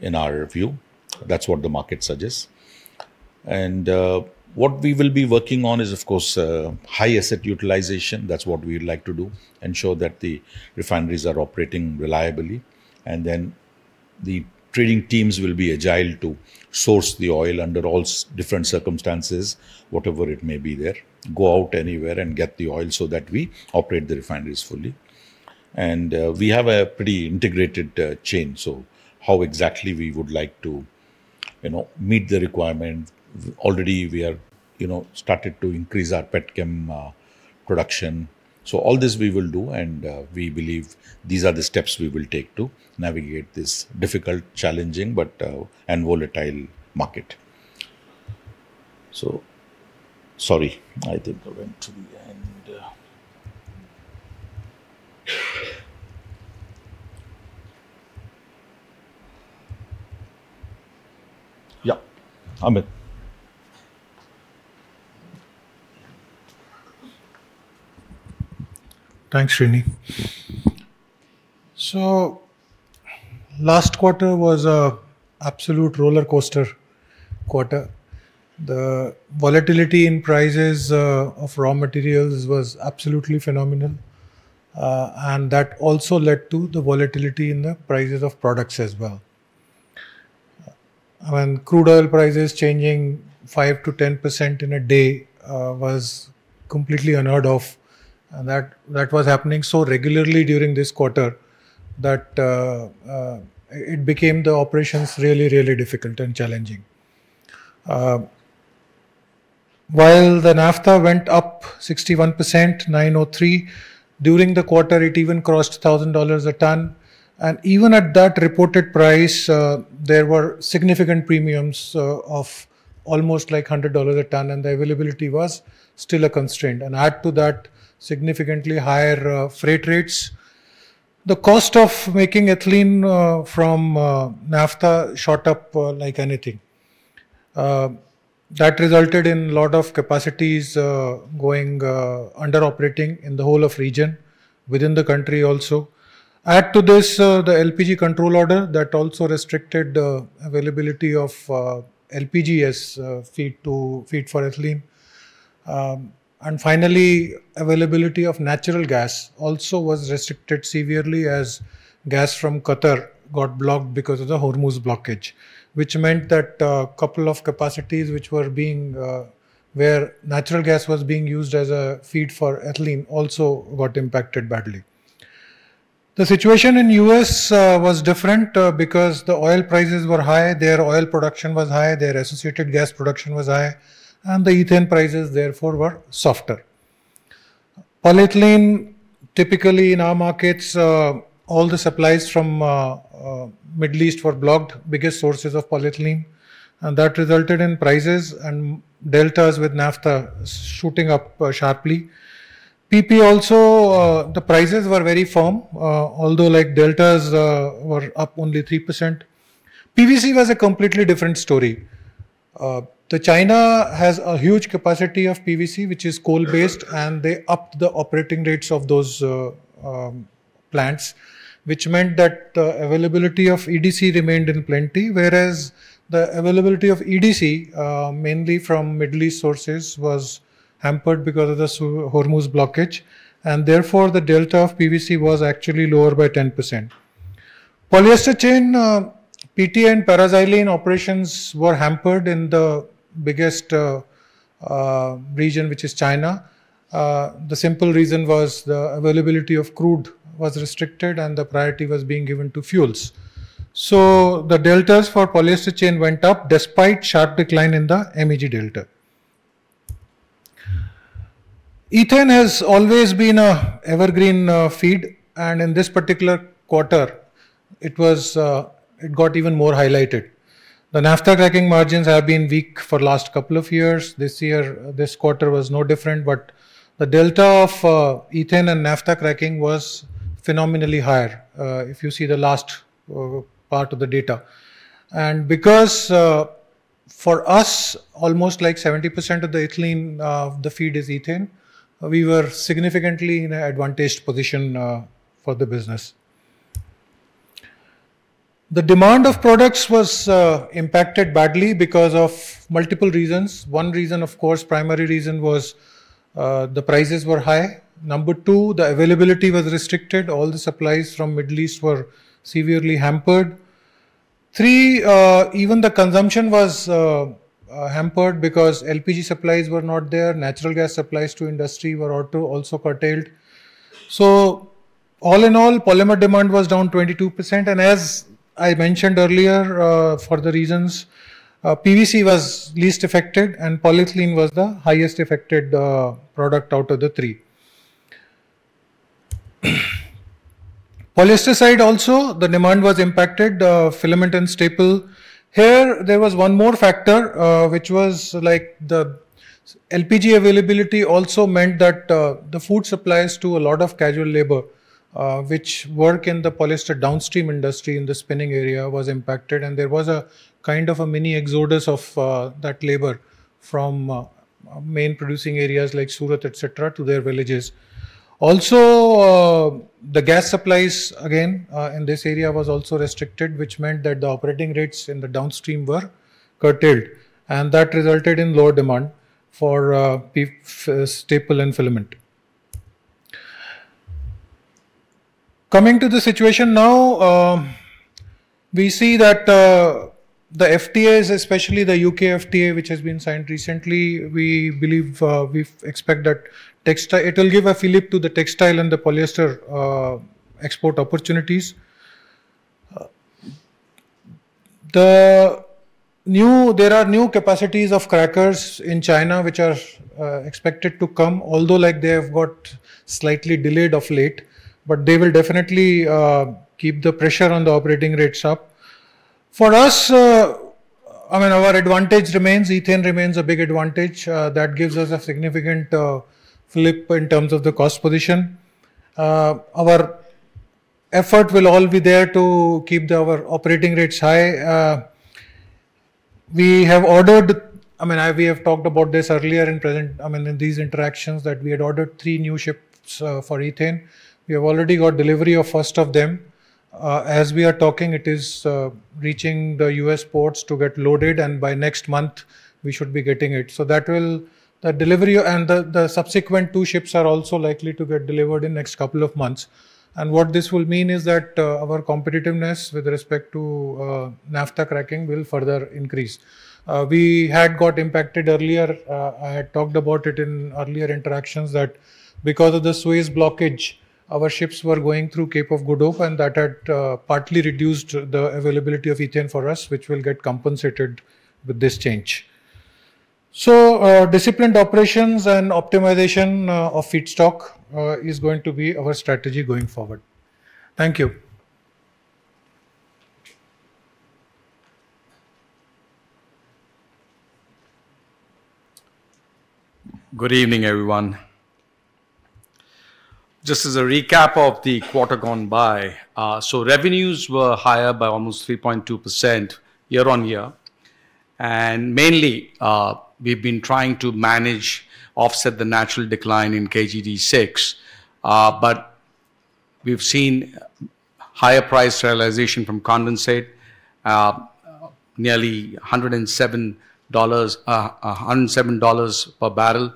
in our view. That's what the market suggests. What we will be working on is, of course, high asset utilization. That's what we would like to do, ensure that the refineries are operating reliably. The trading teams will be agile to source the oil under all different circumstances, whatever it may be there, go out anywhere and get the oil so that we operate the refineries fully. We have a pretty integrated chain, so how exactly we would like to meet the requirement. Already we have started to increase our petchem production. All this we will do, and we believe these are the steps we will take to navigate this difficult, challenging, and volatile market. Sorry. I think I went to the end. Yeah. Amit. Thanks, Srini. Last quarter was an absolute rollercoaster quarter. The volatility in prices of raw materials was absolutely phenomenal, and that also led to the volatility in the prices of products as well. When crude oil prices changing 5%-10% in a day was completely unheard of, and that was happening so regularly during this quarter that it became the operations really, really difficult and challenging. While the Naphtha went up 61%, $903, during the quarter, it even crossed $1,000 a ton. Even at that reported price, there were significant premiums of almost $100 a ton, and the availability was still a constraint. Add to that, significantly higher freight rates. The cost of making ethylene from Naphtha shot up like anything. That resulted in a lot of capacities going under operating in the whole of region, within the country also. Add to this, the LPG control order that also restricted the availability of LPG as feed for ethylene. Finally, availability of natural gas also was restricted severely as gas from Qatar got blocked because of the Hormuz blockage, which meant that a couple of capacities where natural gas was being used as a feed for ethylene also got impacted badly. The situation in U.S. was different because the oil prices were high, their oil production was high, their associated gas production was high, and the ethane prices therefore were softer. Polyethylene, typically in our markets, all the supplies from Middle East were blocked, biggest sources of polyethylene, and that resulted in prices and deltas with Naphtha shooting up sharply. PP also, the prices were very firm, although deltas were up only 3%. PVC was a completely different story. China has a huge capacity of PVC, which is coal-based, and they upped the operating rates of those plants, which meant that availability of EDC remained in plenty. Whereas the availability of EDC, mainly from Middle East sources, was hampered because of the Hormuz blockage, and therefore the delta of PVC was actually lower by 10%. Polyester chain, PTA and paraxylene operations were hampered in the biggest region, which is China. The simple reason was the availability of crude was restricted, and the priority was being given to fuels. The deltas for polyester chain went up despite sharp decline in the MEG delta. Ethane has always been an evergreen feed, and in this particular quarter, it got even more highlighted. The Naphtha cracking margins have been weak for last couple of years. This year, this quarter was no different. The delta of ethane and Naphtha cracking was phenomenally higher, if you see the last part of the data. Because for us, almost 70% of the ethylene, the feed is ethane, we were significantly in an advantaged position for the business. The demand of products was impacted badly because of multiple reasons. One reason, of course, primary reason was the prices were high. Number 2, the availability was restricted. All the supplies from Middle East were severely hampered. 3, even the consumption was hampered because LPG supplies were not there. Natural gas supplies to industry were also curtailed. All in all, polymer demand was down 22%. As I mentioned earlier for the reasons, PVC was least affected, and polyethylene was the highest affected product out of the 3. Polyester side also, the demand was impacted, the filament and staple. Here, there was one more factor, which was the LPG availability also meant that the food supplies to a lot of casual labor, which work in the polyester downstream industry in the spinning area, was impacted. There was a kind of a mini exodus of that labor from main producing areas like Surat, et cetera, to their villages. The gas supplies, again, in this area was also restricted, which meant that the operating rates in the downstream were curtailed, and that resulted in lower demand for staple and filament. Coming to the situation now, we see that the FTAs, especially the U.K. FTA, which has been signed recently, we expect that it'll give a fillip to the textile and the polyester export opportunities. There are new capacities of crackers in China which are expected to come, although they have got slightly delayed of late. They will definitely keep the pressure on the operating rates up. For us, our advantage remains, ethane remains a big advantage. That gives us a significant fillip in terms of the cost position. Our effort will all be there to keep our operating rates high. We have talked about this earlier in these interactions, that we had ordered three new ships for ethane. We have already got delivery of first of them. As we are talking, it is reaching the U.S. ports to get loaded, and by next month, we should be getting it. The delivery and the subsequent two ships are also likely to get delivered in next couple of months. What this will mean is that our competitiveness with respect to Naphtha cracking will further increase. We had got impacted earlier. I had talked about it in earlier interactions that because of the Suez blockage, our ships were going through Cape of Good Hope, and that had partly reduced the availability of ethane for us, which will get compensated with this change. Disciplined operations and optimization of feedstock is going to be our strategy going forward. Thank you. Good evening, everyone. Just as a recap of the quarter gone by. Revenues were higher by almost 3.2% year-on-year. Mainly, we've been trying to manage, offset the natural decline in KGD 6. We've seen higher price realization from condensate, nearly $107 per barrel.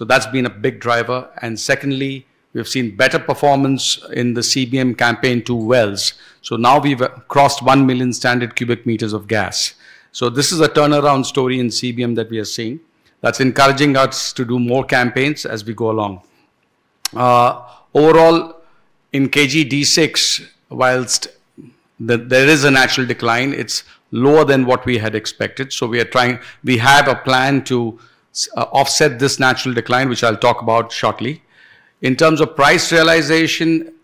That's been a big driver. Secondly, we've seen better performance in the CBM campaign 2 wells. Now we've crossed 1 million standard cubic meters of gas. This is a turnaround story in CBM that we are seeing, that's encouraging us to do more campaigns as we go along. In KGD 6, whilst there is a natural decline, it's lower than what we had expected, so we have a plan to offset this natural decline, which I'll talk about shortly. In terms of price realization,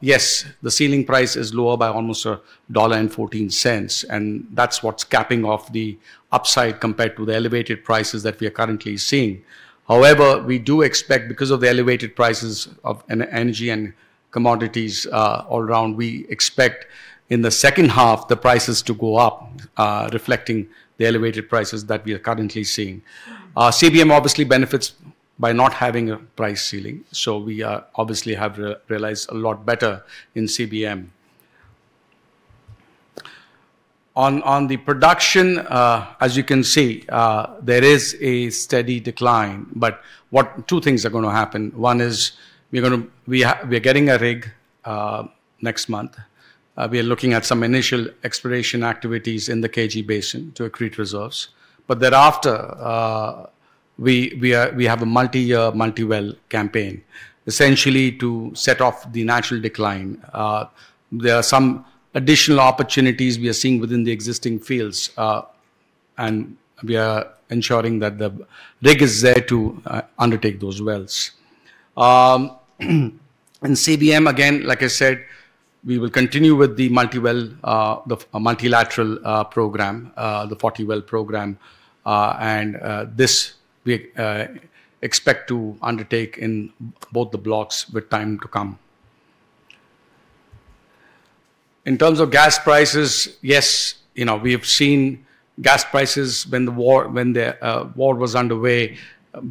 yes, the ceiling price is lower by almost $1.14. That's what's capping off the upside compared to the elevated prices that we are currently seeing. However, we do expect because of the elevated prices of energy and commodities all around, we expect in the second half the prices to go up, reflecting the elevated prices that we are currently seeing. CBM obviously benefits by not having a price ceiling. We obviously have realized a lot better in CBM. On the production, as you can see, there is a steady decline. Two things are going to happen. One is we are getting a rig next month. We are looking at some initial exploration activities in the KG Basin to accrete reserves. Thereafter, we have a multi-year, multi-well campaign, essentially to set off the natural decline. There are some additional opportunities we are seeing within the existing fields. We are ensuring that the rig is there to undertake those wells. In CBM, again, like I said, we will continue with the multilateral program, the 40-well program. This we expect to undertake in both the blocks with time to come. In terms of gas prices, yes, we have seen gas prices when the war was underway,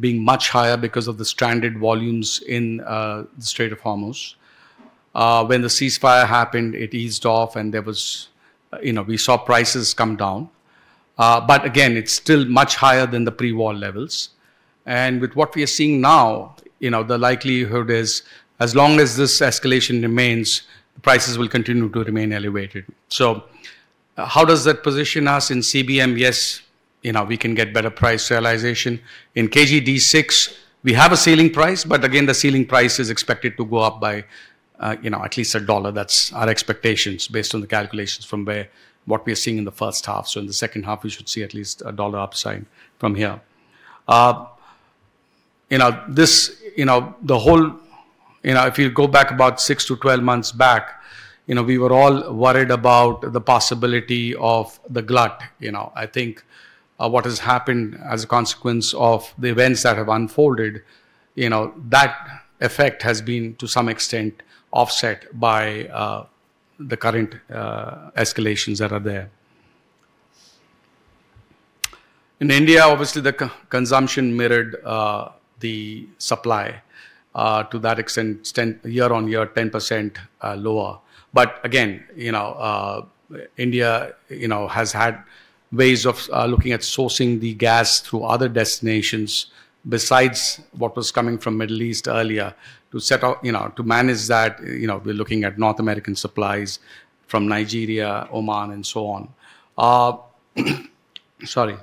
being much higher because of the stranded volumes in the Strait of Hormuz. When the ceasefire happened, it eased off. We saw prices come down. Again, it's still much higher than the pre-war levels. With what we are seeing now, the likelihood is, as long as this escalation remains, prices will continue to remain elevated. How does that position us in CBM? Yes, we can get better price realization. In KGD 6, we have a ceiling price. Again, the ceiling price is expected to go up by at least a dollar. That's our expectations based on the calculations from what we are seeing in the first half. In the second half, we should see at least a dollar upside from here. If you go back about 6-12 months back, we were all worried about the possibility of the glut. I think, what has happened as a consequence of the events that have unfolded, that effect has been, to some extent, offset by the current escalations that are there. In India, obviously, the consumption mirrored the supply. To that extent, year-on-year, 10% lower. Again, India has had ways of looking at sourcing the gas through other destinations besides what was coming from Middle East earlier. To manage that, we are looking at North American supplies from Nigeria, Oman, and so on. Sorry.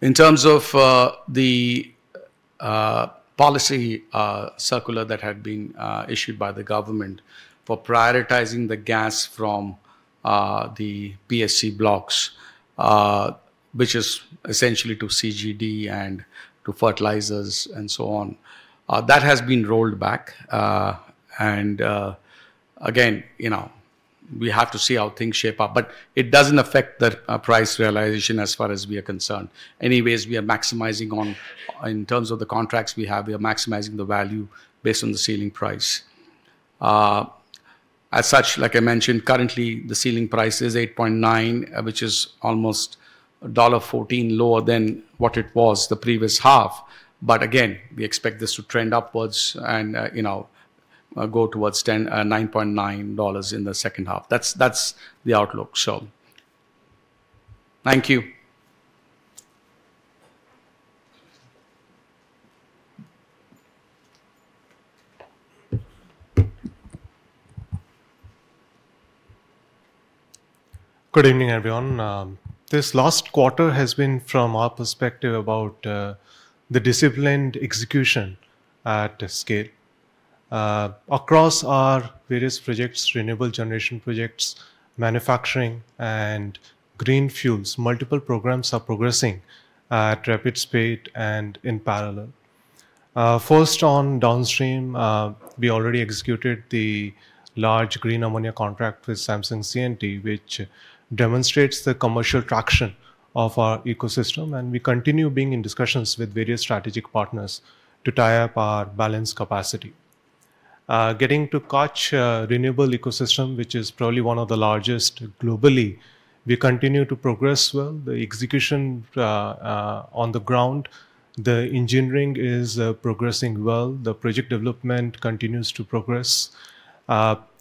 In terms of the policy circular that had been issued by the government for prioritizing the gas from the PSC blocks, which is essentially to CGD and to fertilizers and so on, that has been rolled back. Again, we have to see how things shape up, but it does not affect the price realization as far as we are concerned. In terms of the contracts we have, we are maximizing the value based on the ceiling price. As such, like I mentioned, currently, the ceiling price is $8.9, which is almost $1.14 lower than what it was the previous half. Again, we expect this to trend upwards and go towards $9.9 in the second half. That is the outlook. Thank you. Good evening, everyone. This last quarter has been from our perspective about the disciplined execution at scale. Across our various projects, renewable generation projects, manufacturing, and green fuels, multiple programs are progressing at rapid speed and in parallel. First on downstream, we already executed the large green ammonia contract with Samsung C&T, which demonstrates the commercial traction of our ecosystem. We continue being in discussions with various strategic partners to tie up our balance capacity. Getting to Kutch renewable ecosystem, which is probably one of the largest globally. We continue to progress well the execution on the ground. The engineering is progressing well. The project development continues to progress.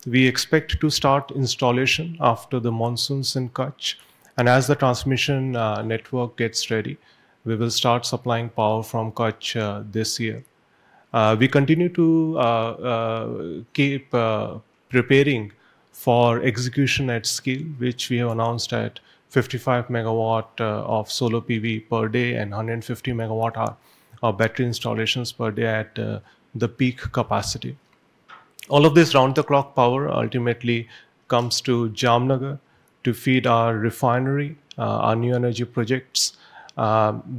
We expect to start installation after the monsoons in Kutch, and as the transmission network gets ready, we will start supplying power from Kutch this year. We continue to keep preparing for execution at scale, which we have announced at 55 MW of solar PV per day and 150 MWh of battery installations per day at the peak capacity. All of this round the clock power ultimately comes to Jamnagar to feed our refinery, our new energy projects.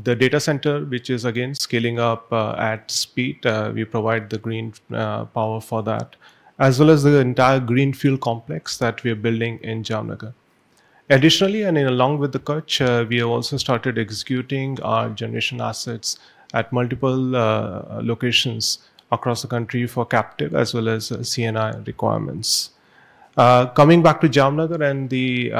The data center, which is again scaling up at speed, we provide the green power for that, as well as the entire greenfield complex that we are building in Jamnagar. Along with the Kutch, we have also started executing our generation assets at multiple locations across the country for captive as well as C&I requirements. Coming back to Jamnagar and the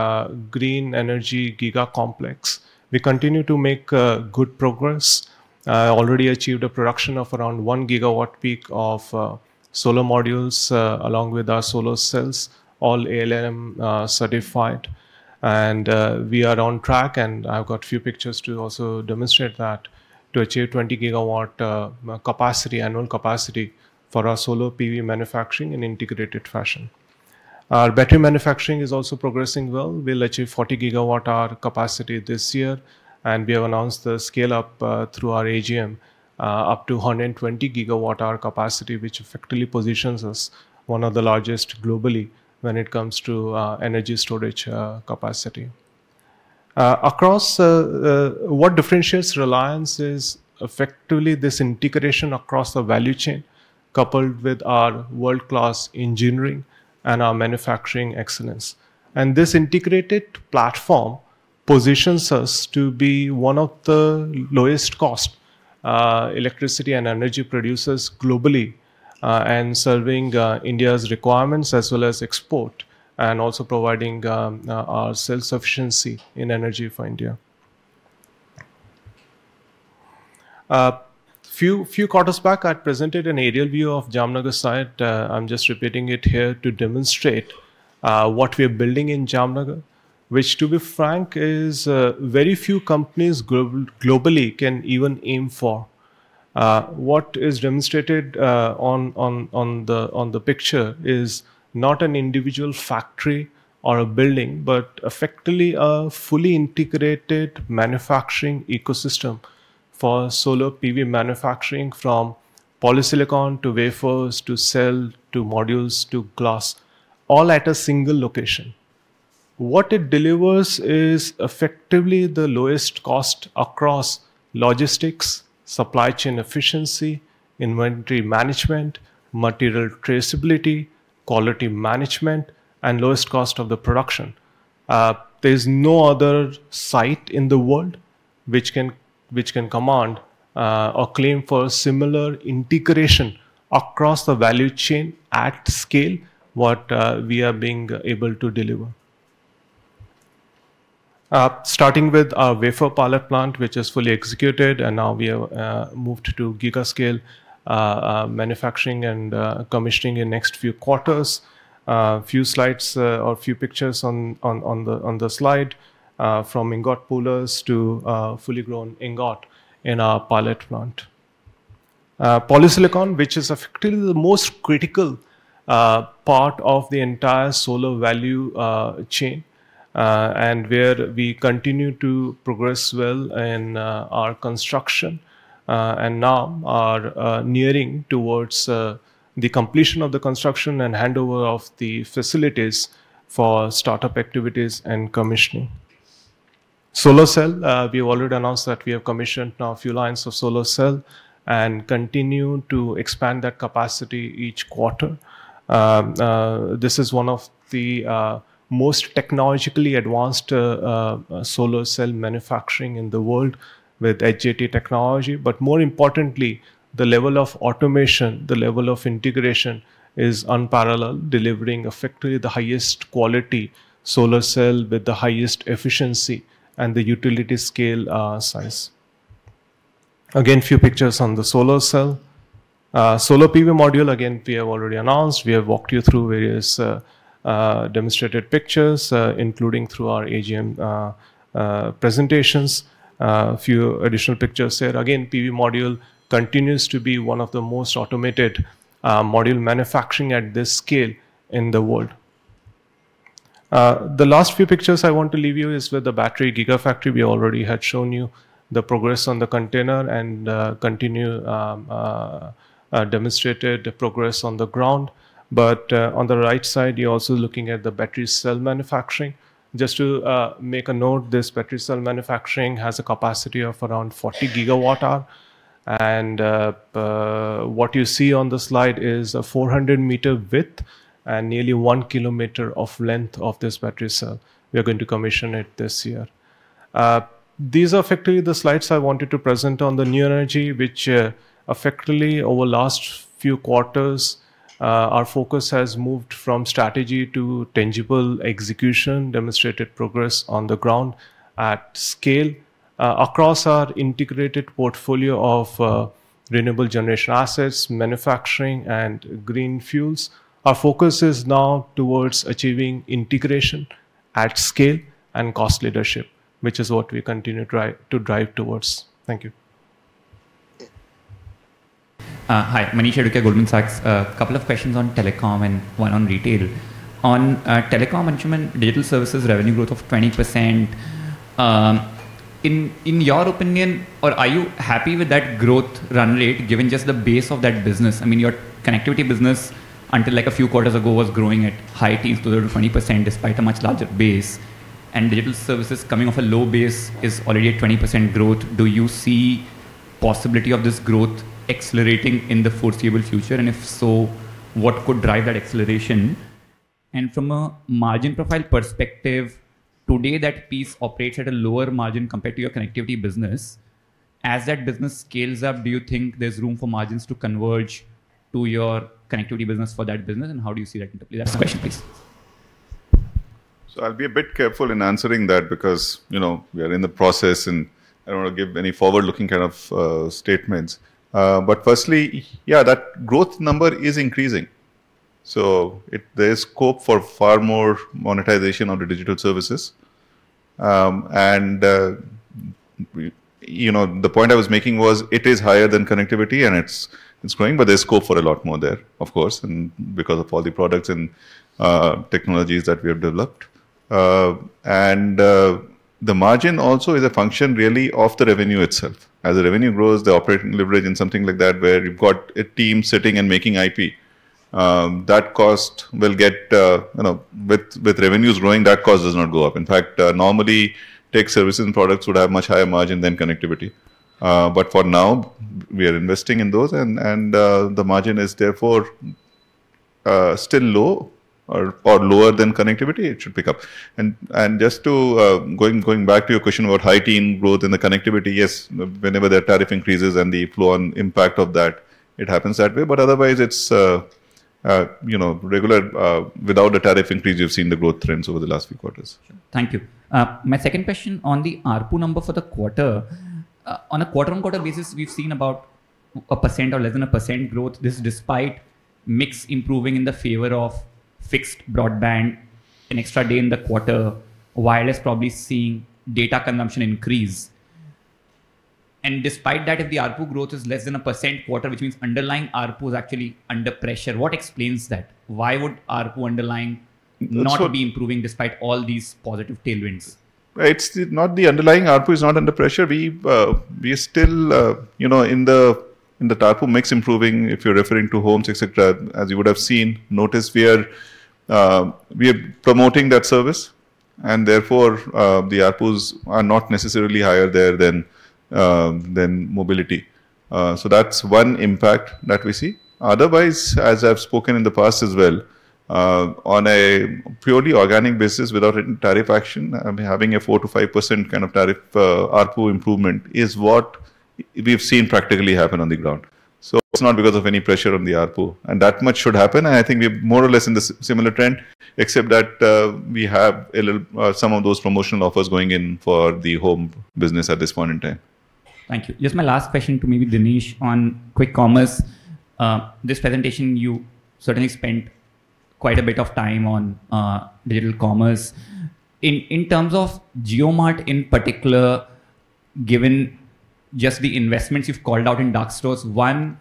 green energy giga complex, we continue to make good progress. Already achieved a production of around 1 GWp of solar modules, along with our solar cells, all ALMM certified. We are on track, and I have got few pictures to also demonstrate that, to achieve 20 GW annual capacity for our solar PV manufacturing in integrated fashion. Our battery manufacturing is also progressing well. We will achieve 40 GWh capacity this year, and we have announced the scale-up through our AGM up to 120 GWh capacity, which effectively positions us one of the largest globally when it comes to energy storage capacity. What differentiates Reliance is effectively this integration across the value chain, coupled with our world-class engineering and our manufacturing excellence. This integrated platform positions us to be one of the lowest cost electricity and energy producers globally, and serving India's requirements as well as export, and also providing our self-sufficiency in energy for India. Few quarters back, I presented an aerial view of Jamnagar site. I'm just repeating it here to demonstrate what we are building in Jamnagar. Which, to be frank, is very few companies globally can even aim for. What is demonstrated on the picture is not an individual factory or a building, but effectively a fully integrated manufacturing ecosystem for solar PV manufacturing, from polysilicon, to wafers, to cell, to modules, to glass, all at a single location. What it delivers is effectively the lowest cost across logistics, supply chain efficiency, inventory management, material traceability, quality management, and lowest cost of the production. There is no other site in the world which can command or claim for similar integration across the value chain at scale, what we are being able to deliver. Starting with our wafer pilot plant, which is fully executed, and now we have moved to giga scale manufacturing and commissioning in next few quarters. Few pictures on the slide, from ingot pullers to fully grown ingot in our pilot plant. Polysilicon, which is effectively the most critical part of the entire solar value chain, and where we continue to progress well in our construction. Now are nearing towards the completion of the construction and handover of the facilities for start-up activities and commissioning. Solar cell, we have already announced that we have commissioned now a few lines of solar cell and continue to expand that capacity each quarter. This is one of the most technologically advanced solar cell manufacturing in the world with HJT technology. More importantly, the level of automation, the level of integration, is unparalleled, delivering effectively the highest quality solar cell with the highest efficiency and the utility scale size. Again, few pictures on the solar cell. Solar PV module, again, we have already announced. We have walked you through various demonstrated pictures, including through our AGM presentations. A few additional pictures here. PV module continues to be one of the most automated module manufacturing at this scale in the world. The last few pictures I want to leave you is with the battery gigafactory. We already had shown you the progress on the container and continue demonstrated progress on the ground. On the right side, you're also looking at the battery cell manufacturing. Just to make a note, this battery cell manufacturing has a capacity of around 40 GWh. What you see on the slide is a 400-meter width and nearly one kilometer of length of this battery cell. We are going to commission it this year. These are effectively the slides I wanted to present on the new energy, which effectively over last few quarters, our focus has moved from strategy to tangible execution, demonstrated progress on the ground at scale. Across our integrated portfolio of renewable generation assets, manufacturing, and green fuels, our focus is now towards achieving integration at scale and cost leadership, which is what we continue to drive towards. Thank you. Hi. Manish Adukia, Goldman Sachs. A couple of questions on telecom and one on retail. On telecom, Anshuman, digital services revenue growth of 20%. In your opinion, or are you happy with that growth run rate given just the base of that business? Your connectivity business until a few quarters ago, was growing at high teens to the order of 20%, despite a much larger base. Digital services coming off a low base is already at 20% growth. Do you see possibility of this growth accelerating in the foreseeable future, and if so, what could drive that acceleration? From a margin profile perspective, today that piece operates at a lower margin compared to your connectivity business. As that business scales up, do you think there's room for margins to converge to your connectivity business for that business, and how do you see that interplay? That's the question, please. I'll be a bit careful in answering that because, we are in the process, and I don't want to give any forward-looking kind of statements. Firstly, yeah, that growth number is increasing. There's scope for far more monetization on the digital services. The point I was making was it is higher than connectivity and it's growing, but there's scope for a lot more there, of course, and because of all the products and technologies that we have developed. The margin also is a function really of the revenue itself. As the revenue grows, the operating leverage and something like that, where you've got a team sitting and making IP. With revenues growing, that cost does not go up. In fact, normally tech services and products would have much higher margin than connectivity. For now, we are investing in those and the margin is therefore still low or lower than connectivity. It should pick up. Going back to your question about high teen growth in the connectivity, yes, whenever the tariff increases and the flow and impact of that, it happens that way. Otherwise, without a tariff increase, you've seen the growth trends over the last few quarters. Sure. Thank you. My second question on the ARPU number for the quarter. On a quarter-on-quarter basis, we've seen about 1% or less than 1% growth. This despite mix improving in the favor of fixed broadband, an extra day in the quarter. Wireless probably seeing data consumption increase. Despite that, if the ARPU growth is less than 1% quarter, which means underlying ARPU is actually under pressure, what explains that? Why would ARPU underlying not be improving despite all these positive tailwinds? The underlying ARPU is not under pressure. We are still in the ARPU mix improving, if you're referring to homes, et cetera, as you would have seen, notice we are promoting that service. Therefore, the ARPUs are not necessarily higher there than mobility. That's one impact that we see. Otherwise, as I've spoken in the past as well, on a purely organic basis, without any tariff action, having a 4%-5% kind of tariff ARPU improvement is what we've seen practically happen on the ground. It's not because of any pressure on the ARPU. That much should happen. I think we're more or less in the similar trend, except that we have some of those promotional offers going in for the home business at this point in time. Thank you. Just my last question to maybe Dinesh on quick commerce. This presentation, you certainly spent quite a bit of time on digital commerce. In terms of JioMart in particular, given just the investments you've called out in dark stores. One,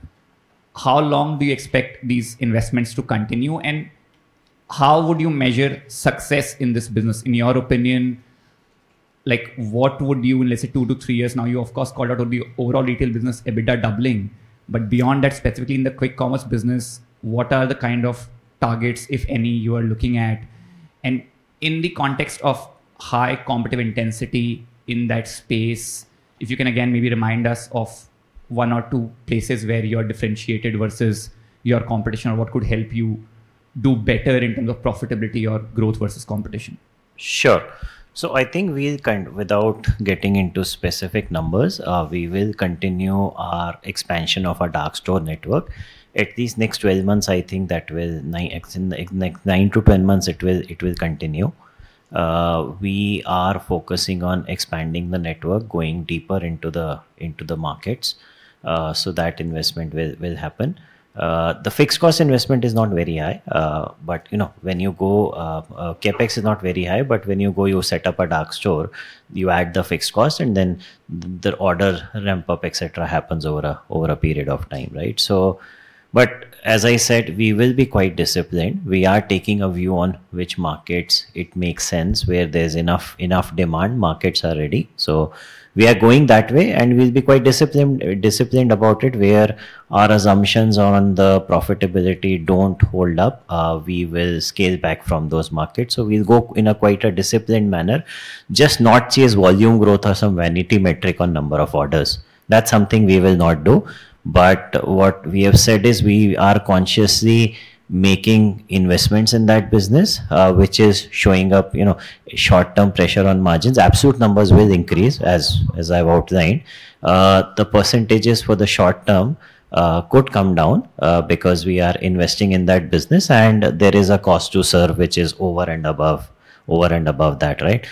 how long do you expect these investments to continue, and how would you measure success in this business, in your opinion? What would you-- let's say 2-3 years now, you, of course, called out on the overall retail business EBITDA doubling. Beyond that, specifically in the quick commerce business, what are the kind of targets, if any, you are looking at? In the context of high competitive intensity in that space, if you can again maybe remind us of one or two places where you are differentiated versus your competition or what could help you do better in terms of profitability or growth versus competition. Sure. I think without getting into specific numbers, we will continue our expansion of our dark store network. 9-12 months, it will continue. We are focusing on expanding the network, going deeper into the markets. That investment will happen. The fixed cost investment is not very high. CapEx is not very high, but when you go, you set up a dark store, you add the fixed cost, and the order ramp up, et cetera, happens over a period of time. As I said, we will be quite disciplined. We are taking a view on which markets it makes sense, where there's enough demand, markets are ready. We are going that way, and we'll be quite disciplined about it. Where our assumptions on the profitability don't hold up, we will scale back from those markets. We'll go in a quite a disciplined manner, just not chase volume growth or some vanity metric on number of orders. That's something we will not do. What we have said is we are consciously making investments in that business, which is showing up short-term pressure on margins. Absolute numbers will increase, as I've outlined. The percentages for the short term could come down because we are investing in that business, and there is a cost to serve which is over and above that.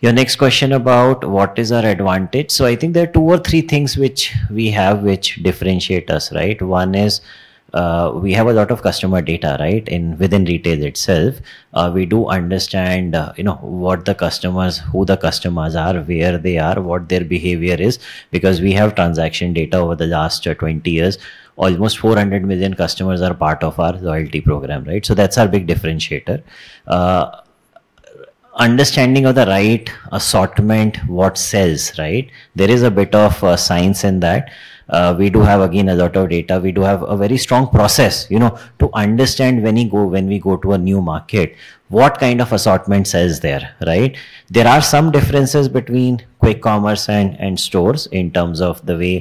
Your next question about what is our advantage. I think there are two or three things which we have which differentiate us. One is. We have a lot of customer data, within retail itself. We do understand who the customers are, where they are, what their behavior is, because we have transaction data over the last 20 years. Almost 400 million customers are part of our loyalty program. That's our big differentiator. Understanding of the right assortment, what sells. There is a bit of science in that. We do have, again, a lot of data. We do have a very strong process, to understand when we go to a new market, what kind of assortment sells there. There are some differences between quick commerce and stores in terms of the way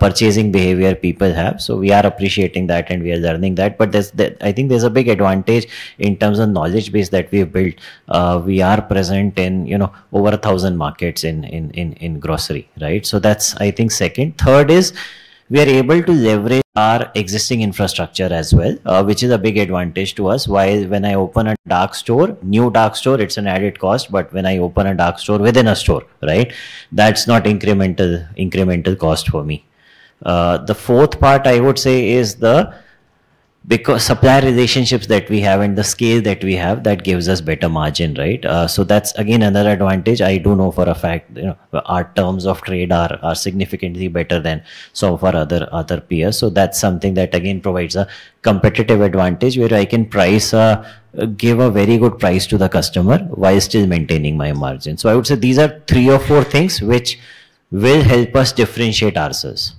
purchasing behavior people have. We are appreciating that, and we are learning that. I think there's a big advantage in terms of knowledge base that we have built. We are present in over 1,000 markets in grocery. That's, I think, second. Third is we are able to leverage our existing infrastructure as well, which is a big advantage to us. Why? When I open a new dark store, it's an added cost, but when I open a dark store within a store, that's not incremental cost for me. The fourth part, I would say, is the supplier relationships that we have and the scale that we have that gives us better margin. That's again another advantage. I do know for a fact our terms of trade are significantly better than some of our other peers. That's something that, again, provides a competitive advantage where I can give a very good price to the customer while still maintaining my margin. I would say these are three or four things which will help us differentiate ourselves.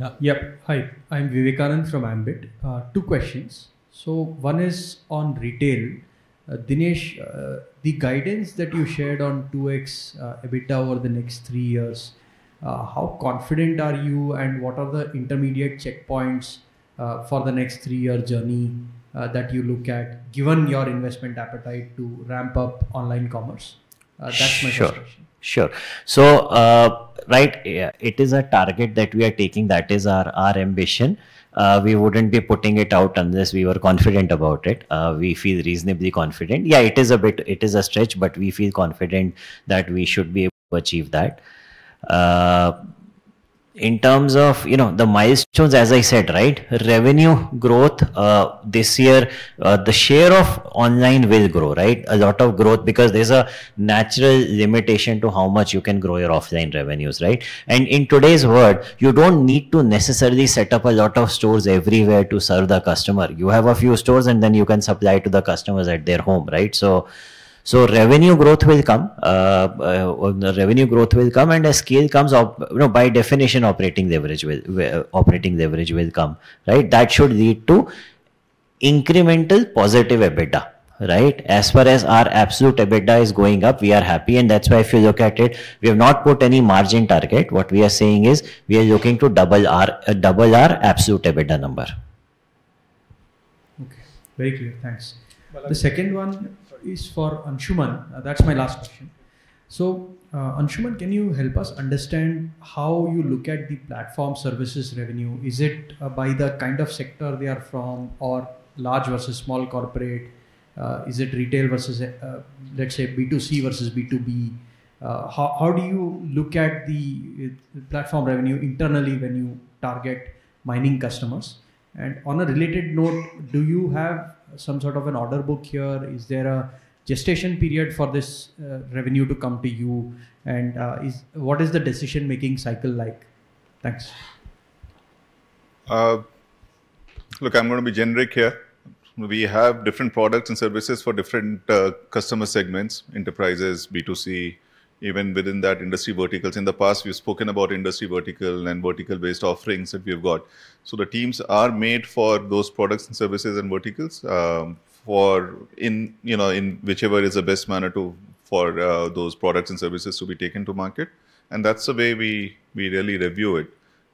Yeah. Yeah. Hi, I'm Vivekanand from Ambit. Two questions. One is on retail. Dinesh, the guidance that you shared on 2x EBITDA over the next three years, how confident are you, and what are the intermediate checkpoints for the next three-year journey that you look at, given your investment appetite to ramp up online commerce? That's my first question. It is a target that we are taking. That is our ambition. We wouldn't be putting it out unless we were confident about it. We feel reasonably confident. It is a stretch, but we feel confident that we should be able to achieve that. In terms of the milestones, as I said, revenue growth this year, the share of online will grow. A lot of growth because there's a natural limitation to how much you can grow your offline revenues. In today's world, you don't need to necessarily set up a lot of stores everywhere to serve the customer. You have a few stores, and then you can supply to the customers at their home. Revenue growth will come, and as scale comes up, by definition, operating leverage will come. That should lead to incremental positive EBITDA. As far as our absolute EBITDA is going up, we are happy, and that's why if you look at it, we have not put any margin target. What we are saying is we are looking to double our absolute EBITDA number. Okay. Very clear. Thanks. The second one is for Anshuman. That's my last question. Anshuman, can you help us understand how you look at the platform services revenue? Is it by the kind of sector they are from or large versus small corporate? Is it retail versus, let's say, B2C versus B2B? How do you look at the platform revenue internally when you target mining customers? On a related note, do you have some sort of an order book here? Is there a gestation period for this revenue to come to you? What is the decision-making cycle like? Thanks. Look, I'm going to be generic here. We have different products and services for different customer segments, enterprises, B2C, even within that, industry verticals. In the past, we've spoken about industry vertical and vertical-based offerings that we have got. The teams are made for those products and services and verticals in whichever is the best manner for those products and services to be taken to market. That's the way we really review it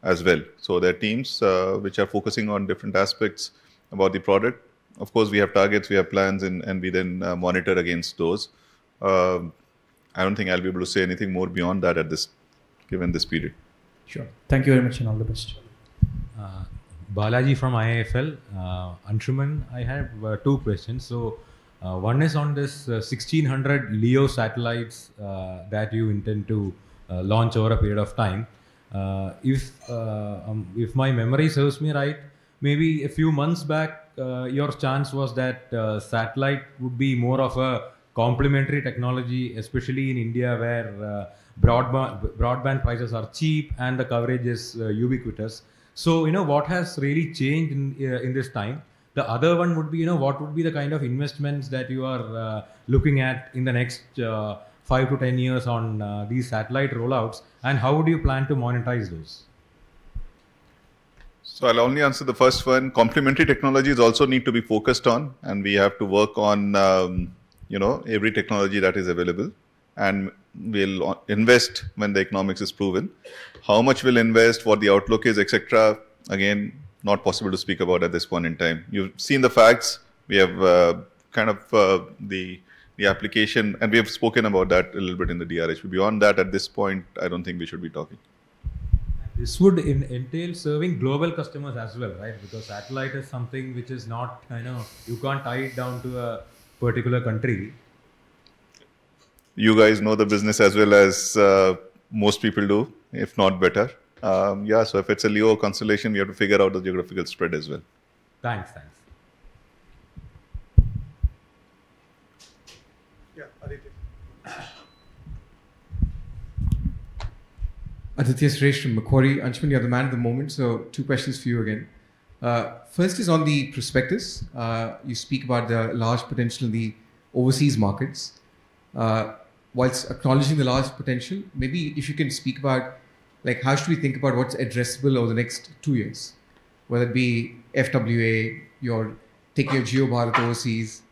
as well. There are teams which are focusing on different aspects about the product. Of course, we have targets, we have plans, we then monitor against those. I don't think I'll be able to say anything more beyond that given this period. Sure. Thank you very much, and all the best. Balaji from IIFL. Anshuman, I have two questions. One is on this 1,600 LEO satellites that you intend to launch over a period of time. If my memory serves me right, maybe a few months back, your stance was that satellite would be more of a complementary technology, especially in India, where broadband prices are cheap and the coverage is ubiquitous. What has really changed in this time? The other one would be, what would be the kind of investments that you are looking at in the next 5 to 10 years on these satellite rollouts, and how would you plan to monetize those? I'll only answer the first one. Complementary technologies also need to be focused on, and we have to work on every technology that is available, and we'll invest when the economics is proven. How much we'll invest, what the outlook is, et cetera, again, not possible to speak about at this point in time. You've seen the facts. We have the application, and we have spoken about that a little bit in the DRHP. Beyond that, at this point, I don't think we should be talking. This would entail serving global customers as well, right? Because satellite is something which you can't tie it down to a particular country. You guys know the business as well as most people do, if not better. Yeah, if it's a LEO constellation, you have to figure out the geographical spread as well. Thanks. Yeah, Aditya. Aditya Suresh, Macquarie. Anshuman, you're the man of the moment, two questions for you again. First is on the prospectus. You speak about the large potential in the overseas markets. Whilst acknowledging the large potential, maybe if you can speak about, how should we think about what's addressable over the next two years, whether it be FWA, taking your JioBharat overseas,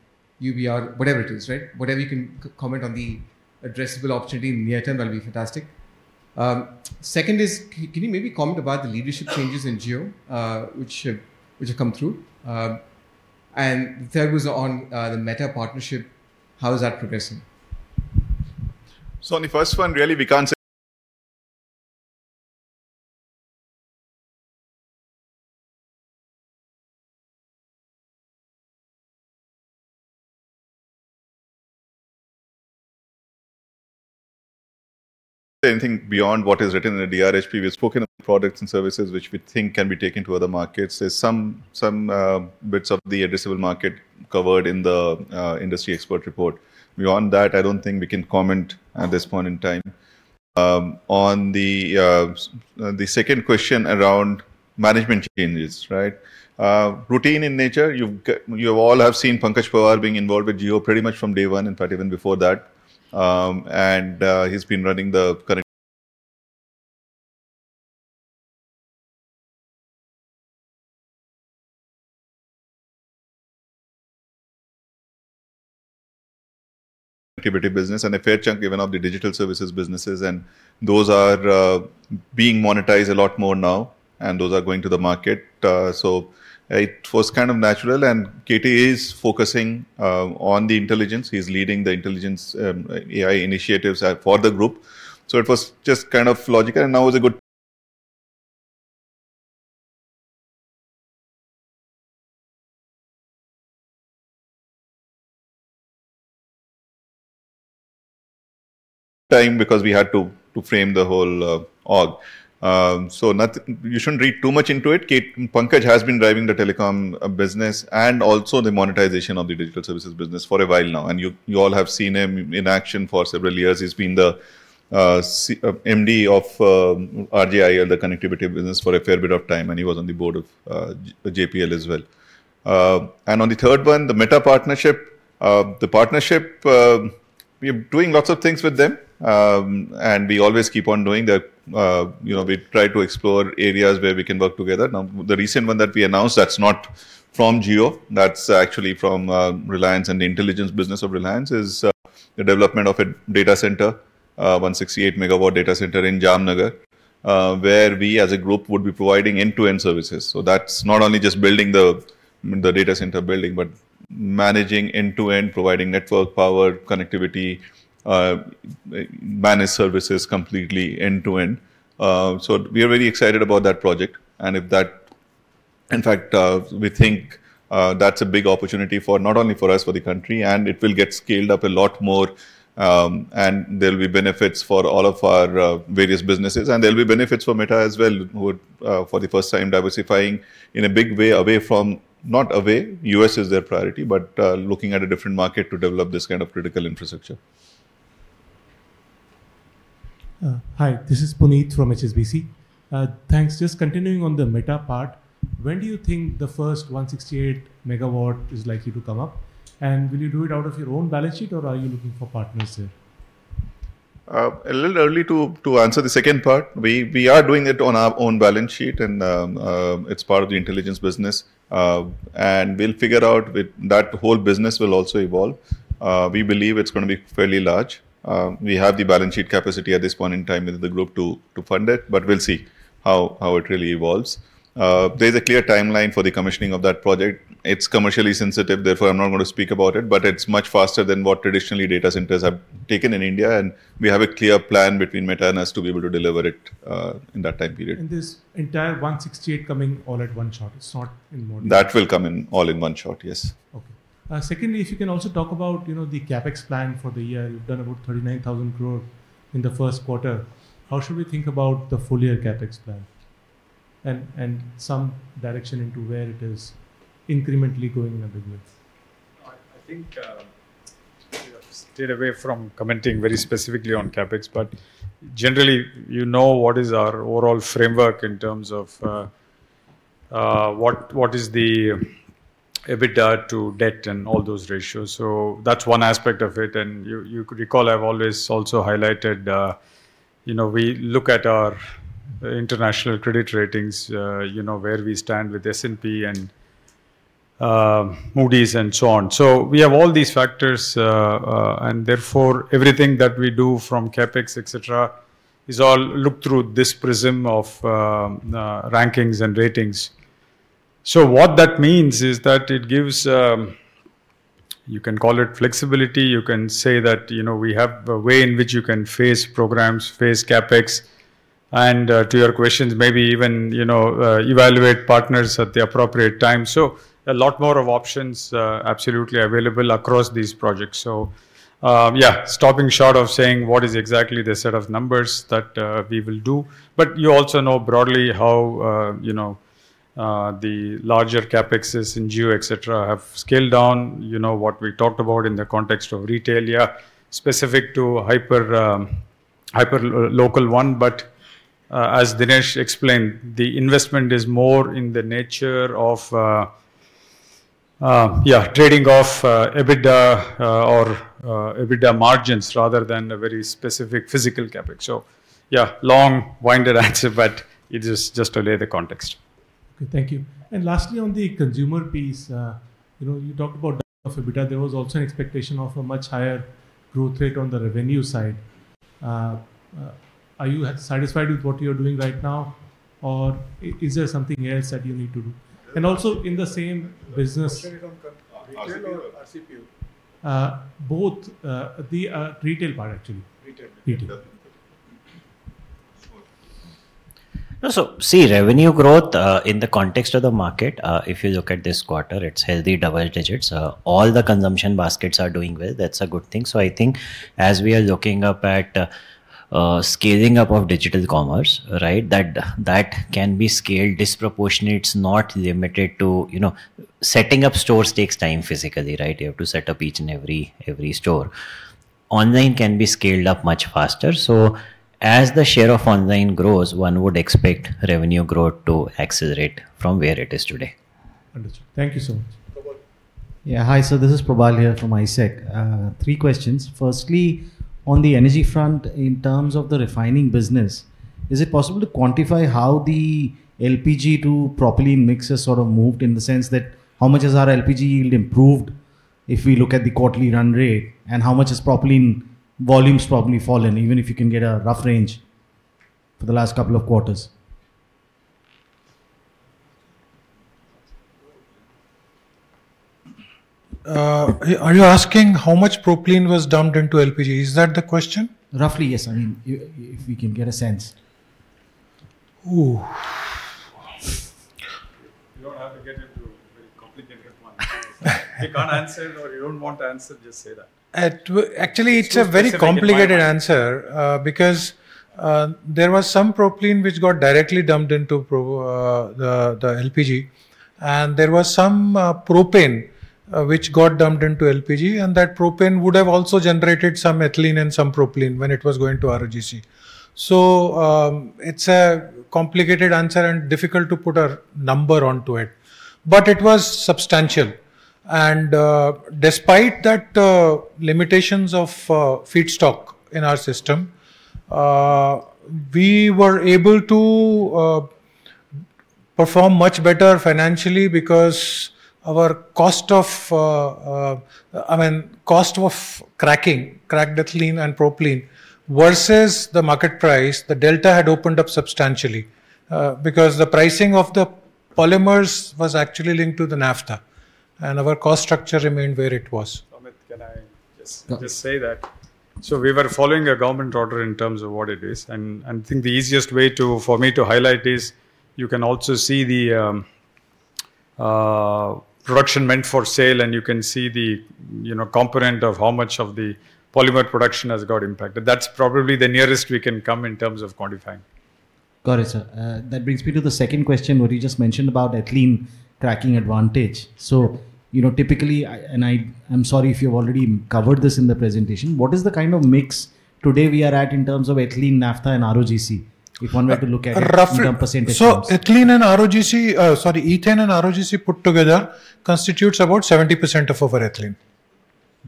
UBR, whatever it is, right? Whatever you can comment on the addressable opportunity in the near term, that'll be fantastic. Second is, can you maybe comment about the leadership changes in Jio, which have come through? The third was on the Meta partnership. How is that progressing? On the first one, really, we can't say anything beyond what is written in the DRHP. We've spoken about products and services which we think can be taken to other markets. There's some bits of the addressable market covered in the industry expert report. Beyond that, I don't think we can comment at this point in time. On the second question around management changes, right? Routine in nature. You all have seen Pankaj Pawar being involved with Jio pretty much from day one, in fact, even before that. He's been running the current connectivity business and a fair chunk even of the digital services businesses, and those are being monetized a lot more now, and those are going to the market. It was kind of natural, and KT is focusing on the intelligence. He's leading the intelligence AI initiatives for the group. It was just kind of logical, and now is a good time because we had to frame the whole org. You shouldn't read too much into it. Pankaj has been driving the telecom business and also the monetization of the digital services business for a while now, and you all have seen him in action for several years. He's been the MD of RJIL, the connectivity business, for a fair bit of time, and he was on the board of JPL as well. On the third one, the Meta partnership. The partnership, we are doing lots of things with them, and we always keep on doing that. We try to explore areas where we can work together. The recent one that we announced, that's not from Jio, that's actually from Reliance and the intelligence business of Reliance, is the development of a data center, 168 MW data center in Jamnagar, where we as a group would be providing end-to-end services. That's not only just building the data center building, but managing end-to-end, providing network power, connectivity, managed services completely end-to-end. We are very excited about that project, and in fact, we think that's a big opportunity not only for us, for the country, and it will get scaled up a lot more, and there'll be benefits for all of our various businesses, and there'll be benefits for Meta as well, who are for the first time diversifying in a big way not away, U.S. is their priority, but looking at a different market to develop this kind of critical infrastructure. Hi, this is Puneet from HSBC. Thanks. Just continuing on the Meta part. When do you think the first 168 MW is likely to come up? Will you do it out of your own balance sheet, or are you looking for partners there? A little early to answer the second part. We are doing it on our own balance sheet, and it is part of the intelligence business. We will figure out with that whole business will also evolve. We believe it is going to be fairly large. We have the balance sheet capacity at this point in time with the group to fund it, but we will see how it really evolves. There is a clear timeline for the commissioning of that project. It is commercially sensitive, therefore I am not going to speak about it, but it is much faster than what traditionally data centers have taken in India, and we have a clear plan between Meta and us to be able to deliver it in that time period. This entire 168 coming all at one shot. It is not in modules. That will come in all in one shot, yes. Okay. Secondly, if you can also talk about the CapEx plan for the year. You have done about 39,000 crore in the first quarter. How should we think about the full-year CapEx plan? Some direction into where it is incrementally going in the midterms. I think we have stayed away from commenting very specifically on CapEx. Generally, you know what is our overall framework in terms of what is the EBITDA to debt and all those ratios. That's one aspect of it. You could recall, I've always also highlighted, we look at our international credit ratings, where we stand with S&P and Moody's and so on. We have all these factors, and therefore, everything that we do from CapEx, et cetera, is all looked through this prism of rankings and ratings. What that means is that it gives, you can call it flexibility. You can say that we have a way in which you can phase programs, phase CapEx To your questions, maybe even evaluate partners at the appropriate time. A lot more of options absolutely available across these projects. Yeah, stopping short of saying what is exactly the set of numbers that we will do. You also know broadly how the larger CapEx is in Jio, et cetera, have scaled down. What we talked about in the context of retail, yeah, specific to hyper local 1. As Dinesh explained, the investment is more in the nature of trading off EBITDA or EBITDA margins rather than a very specific physical CapEx. Yeah, long-winded answer, but it is just to lay the context. Okay, thank you. Lastly, on the consumer piece, you talked about of EBITDA, there was also an expectation of a much higher growth rate on the revenue side. Are you satisfied with what you're doing right now, or is there something else that you need to do? Also in the same business- Question is on retail or RCPL? Both. The retail part, actually. Retail. Retail. Go on. No, revenue growth, in the context of the market, if you look at this quarter, it's healthy double digits. All the consumption baskets are doing well. That's a good thing. I think as we are looking up at scaling up of digital commerce. That can be scaled disproportionate, it's not limited to. Setting up stores takes time physically. You have to set up each and every store. Online can be scaled up much faster. As the share of online grows, one would expect revenue growth to accelerate from where it is today. Understood. Thank you so much. Probal. Yeah. Hi. This is Prabal here from ISec. Three questions. Firstly, on the energy front, in terms of the refining business, is it possible to quantify how the LPG to propylene mix has sort of moved in the sense that how much has our LPG yield improved if we look at the quarterly run rate? How much has propylene volumes probably fallen, even if you can get a rough range for the last couple of quarters? Are you asking how much propylene was dumped into LPG? Is that the question? Roughly, yes. If we can get a sense. Ooh. You don't have to get into very complicated ones. If you can't answer it or you don't want to answer, just say that. It's a very complicated answer, because there was some propylene which got directly dumped into the LPG, and there was some propane which got dumped into LPG, and that propane would have also generated some ethylene and some propylene when it was going to ROGC. It's a complicated answer and difficult to put a number onto it. It was substantial. Despite that limitations of feedstock in our system, we were able to perform much better financially because our cost of cracking ethylene and propylene versus the market price, the delta had opened up substantially. The pricing of the polymers was actually linked to the naphtha, and our cost structure remained where it was. Amit, can I just say that so we were following a government order in terms of what it is, and I think the easiest way for me to highlight is you can also see the production meant for sale, and you can see the component of how much of the polymer production has got impacted. That's probably the nearest we can come in terms of quantifying. Got it, sir. That brings me to the second question, what you just mentioned about ethylene cracking advantage. Typically, and I'm sorry if you've already covered this in the presentation, what is the kind of mix today we are at in terms of ethylene, naphtha, and ROGC? If one were to look at it in terms of %. Ethylene and ROGC, sorry, ethane and ROGC put together constitutes about 70% of our ethylene.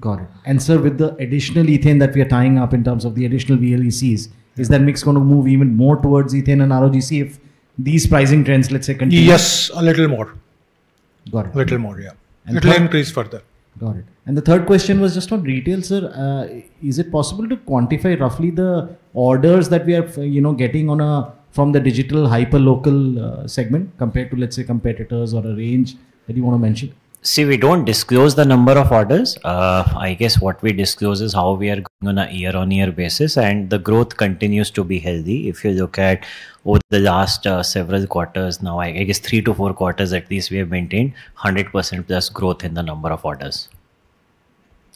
Got it. Sir, with the additional ethane that we are tying up in terms of the additional VLECs, is that mix going to move even more towards ethane and ROGC if these pricing trends, let's say, continue? Yes, a little more. Got it. Little more, yeah. It will increase further. Got it. The third question was just on retail, sir. Is it possible to quantify roughly the orders that we are getting from the digital hyperlocal segment compared to, let's say, competitors or a range that you want to mention? We don't disclose the number of orders. I guess what we disclose is how we are going on a year-over-year basis. The growth continues to be healthy. If you look at over the last several quarters now, I guess three to four quarters at least, we have maintained 100%+ growth in the number of orders.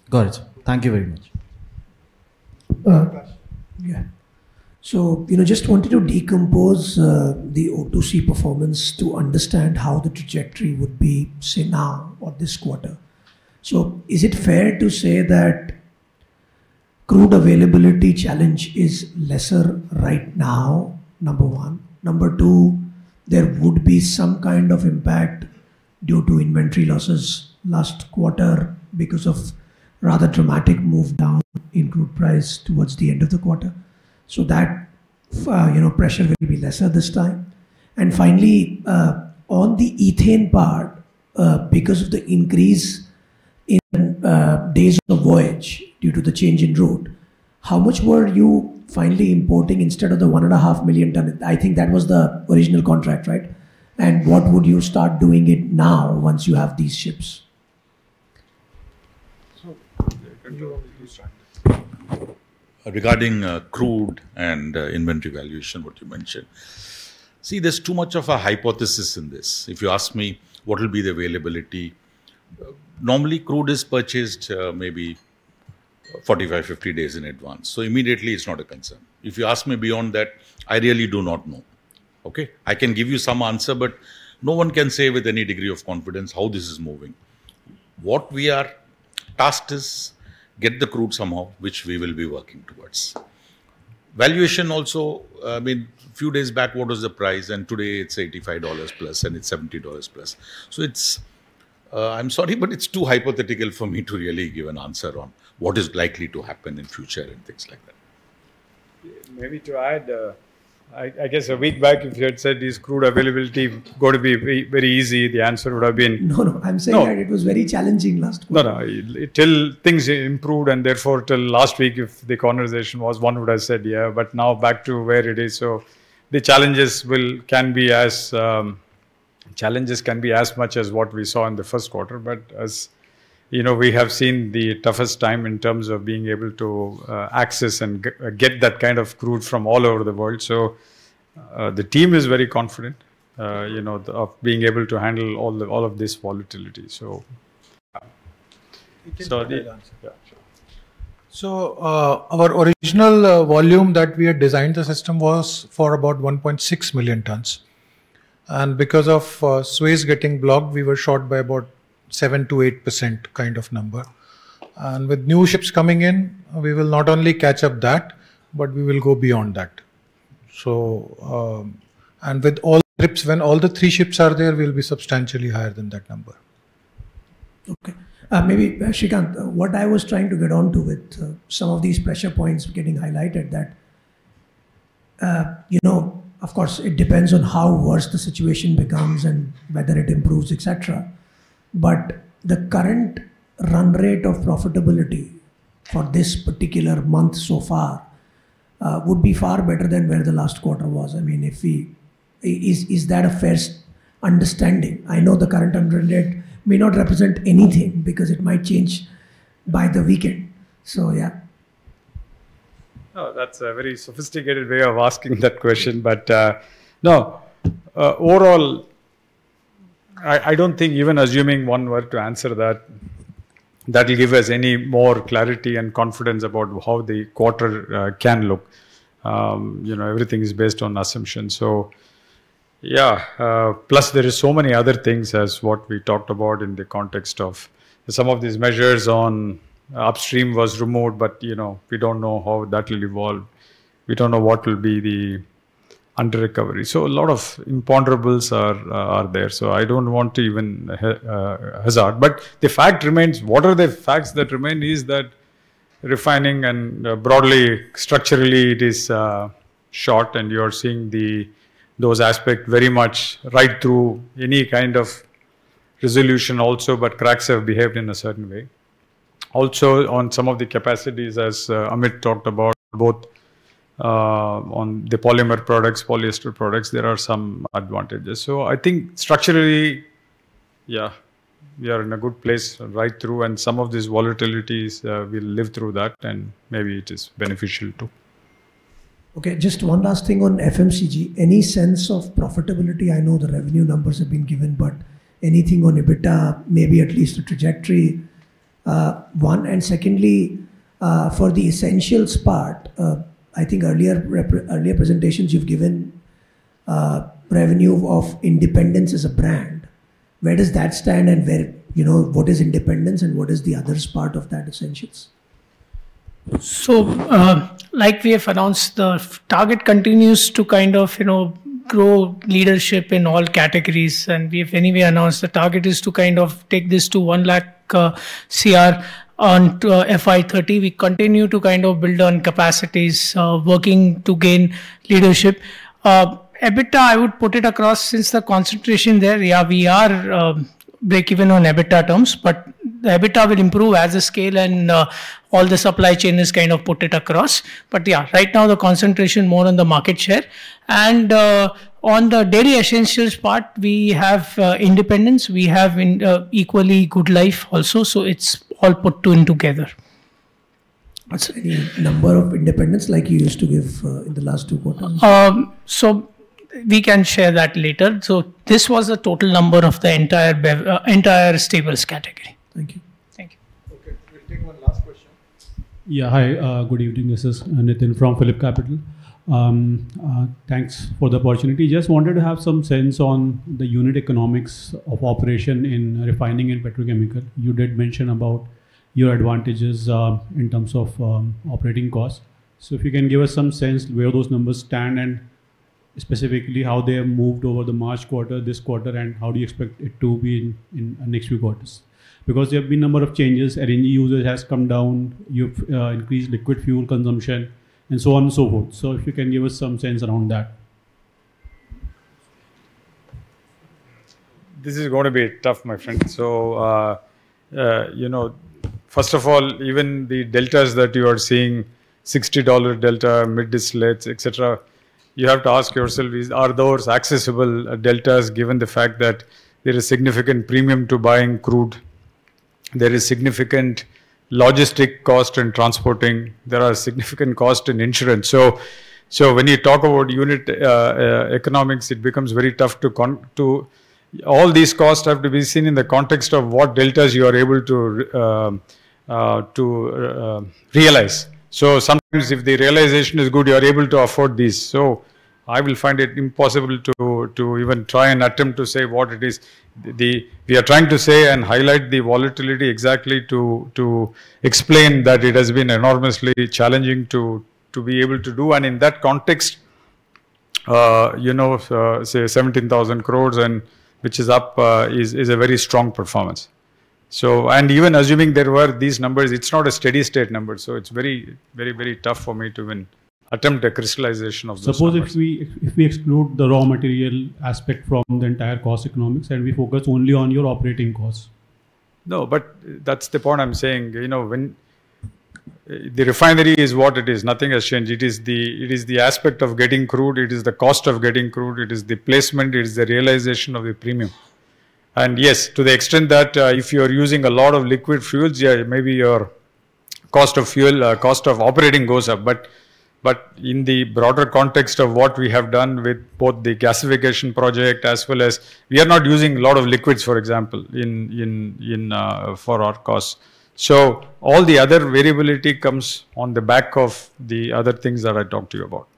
Got it. Thank you very much. Ashutosh. Just wanted to decompose the O2C performance to understand how the trajectory would be, say, now or this quarter. Is it fair to say that crude availability challenge is lesser right now, number 1? Number 2, there would be some kind of impact due to inventory losses last quarter because of rather dramatic move down in crude price towards the end of the quarter. That pressure will be lesser this time. Finally, on the ethane part, because of the increase in days of voyage due to the change in route, how much were you finally importing instead of the 1.5 million tons? I think that was the original contract, right? What would you start doing it now once you have these ships? Regarding crude and inventory valuation, what you mentioned. There's too much of a hypothesis in this. If you ask me, what will be the availability, normally, crude is purchased maybe 45, 50 days in advance, so immediately it's not a concern. If you ask me beyond that, I really do not know. Okay? I can give you some answer, but no one can say with any degree of confidence how this is moving. What we are tasked is get the crude somehow, which we will be working towards. Valuation also, a few days back, what was the price, and today it's $85 plus, and it's $70 plus. I'm sorry, but it's too hypothetical for me to really give an answer on what is likely to happen in future and things like that. Maybe to add, I guess a week back, if you had said this crude availability going to be very easy, the answer would have been. No, I'm saying that it was very challenging last quarter. No. Things improved, therefore, till last week, if the conversation was one would have said, now back to where it is. The challenges can be as much as what we saw in the first quarter, but we have seen the toughest time in terms of being able to access and get that kind of crude from all over the world. The team is very confident of being able to handle all of this volatility. Our original volume that we had designed the system was for about 1.6 million tons. Because of Suez getting blocked, we were short by about 7%-8% kind of number. With new ships coming in, we will not only catch up that, but we will go beyond that. With all trips, when all the three ships are there, we'll be substantially higher than that number. Okay. Maybe, Srikanth, what I was trying to get on to with some of these pressure points getting highlighted that, of course, it depends on how worse the situation becomes and whether it improves, et cetera. The current run rate of profitability for this particular month so far would be far better than where the last quarter was. Is that a fair understanding? I know the current run rate may not represent anything, because it might change by the weekend. Yeah. Oh, that's a very sophisticated way of asking that question. No. Overall, I don't think even assuming one were to answer that'll give us any more clarity and confidence about how the quarter can look. Everything is based on assumptions. Yeah. Plus, there is so many other things as what we talked about in the context of some of these measures on upstream was removed, we don't know how that will evolve. We don't know what will be the under recovery. A lot of imponderables are there. I don't want to even hazard. The fact remains, what are the facts that remain is that refining and broadly, structurally it is short, and you are seeing those aspect very much right through any kind of resolution also, cracks have behaved in a certain way. Also, on some of the capacities, as Amit talked about, both on the polymer products, polyester products, there are some advantages. I think structurally, yeah, we are in a good place right through, and some of these volatilities, we'll live through that, and maybe it is beneficial too. Okay. Just one last thing on FMCG. Any sense of profitability? I know the revenue numbers have been given, but anything on EBITDA, maybe at least the trajectory, one. Secondly, for the essentials part, I think earlier presentations you've given revenue of Independence as a brand. Where does that stand and what is Independence and what is the others part of that essentials? Like we have announced, the target continues to kind of grow leadership in all categories, we've anyway announced the target is to kind of take this to 100,000 crore on FY 2030. We continue to kind of build on capacities, working to gain leadership. EBITDA, I would put it across since the concentration there, yeah, we are breakeven on EBITDA terms, but the EBITDA will improve as a scale and all the supply chain is kind of put it across. Yeah, right now the concentration more on the market share. On the daily essentials part, we have Independence. We have equally Good Life also, so it's all put in together. What's the number of Independence like you used to give in the last two quarters? We can share that later. This was a total number of the entire staples category. Thank you. Thank you. Okay. We'll take one last question. Hi. Good evening. This is Nitin from PhillipCapital. Thanks for the opportunity. Just wanted to have some sense on the unit economics of operation in refining and petrochemical. You did mention about your advantages in terms of operating cost. If you can give us some sense where those numbers stand and specifically how they have moved over the March quarter, this quarter, and how do you expect it to be in next few quarters. Because there have been number of changes, RE user has come down, you've increased liquid fuel consumption and so on and so forth. If you can give us some sense around that. This is going to be tough, my friend. First of all, even the deltas that you are seeing, $60 delta, mid-slates, et cetera, you have to ask yourself, are those accessible deltas given the fact that there is significant premium to buying crude, there is significant logistic cost in transporting, there are significant cost in insurance. When you talk about unit economics, it becomes very tough. All these costs have to be seen in the context of what deltas you are able to realize. Sometimes if the realization is good, you are able to afford these. I will find it impossible to even try and attempt to say what it is. We are trying to say and highlight the volatility exactly to explain that it has been enormously challenging to be able to do. In that context, say 17,000 crore and which is up is a very strong performance. Even assuming there were these numbers, it is not a steady state number, it is very tough for me to even attempt a crystallization of those numbers. Suppose if we exclude the raw material aspect from the entire cost economics, we focus only on your operating cost. That is the point I am saying. The refinery is what it is. Nothing has changed. It is the aspect of getting crude. It is the cost of getting crude. It is the placement. It is the realization of a premium. Yes, to the extent that if you are using a lot of liquid fuels, maybe your cost of fuel, cost of operating goes up. In the broader context of what we have done with both the gasification project as well as we are not using a lot of liquids, for example, for our cost. All the other variability comes on the back of the other things that I talked to you about.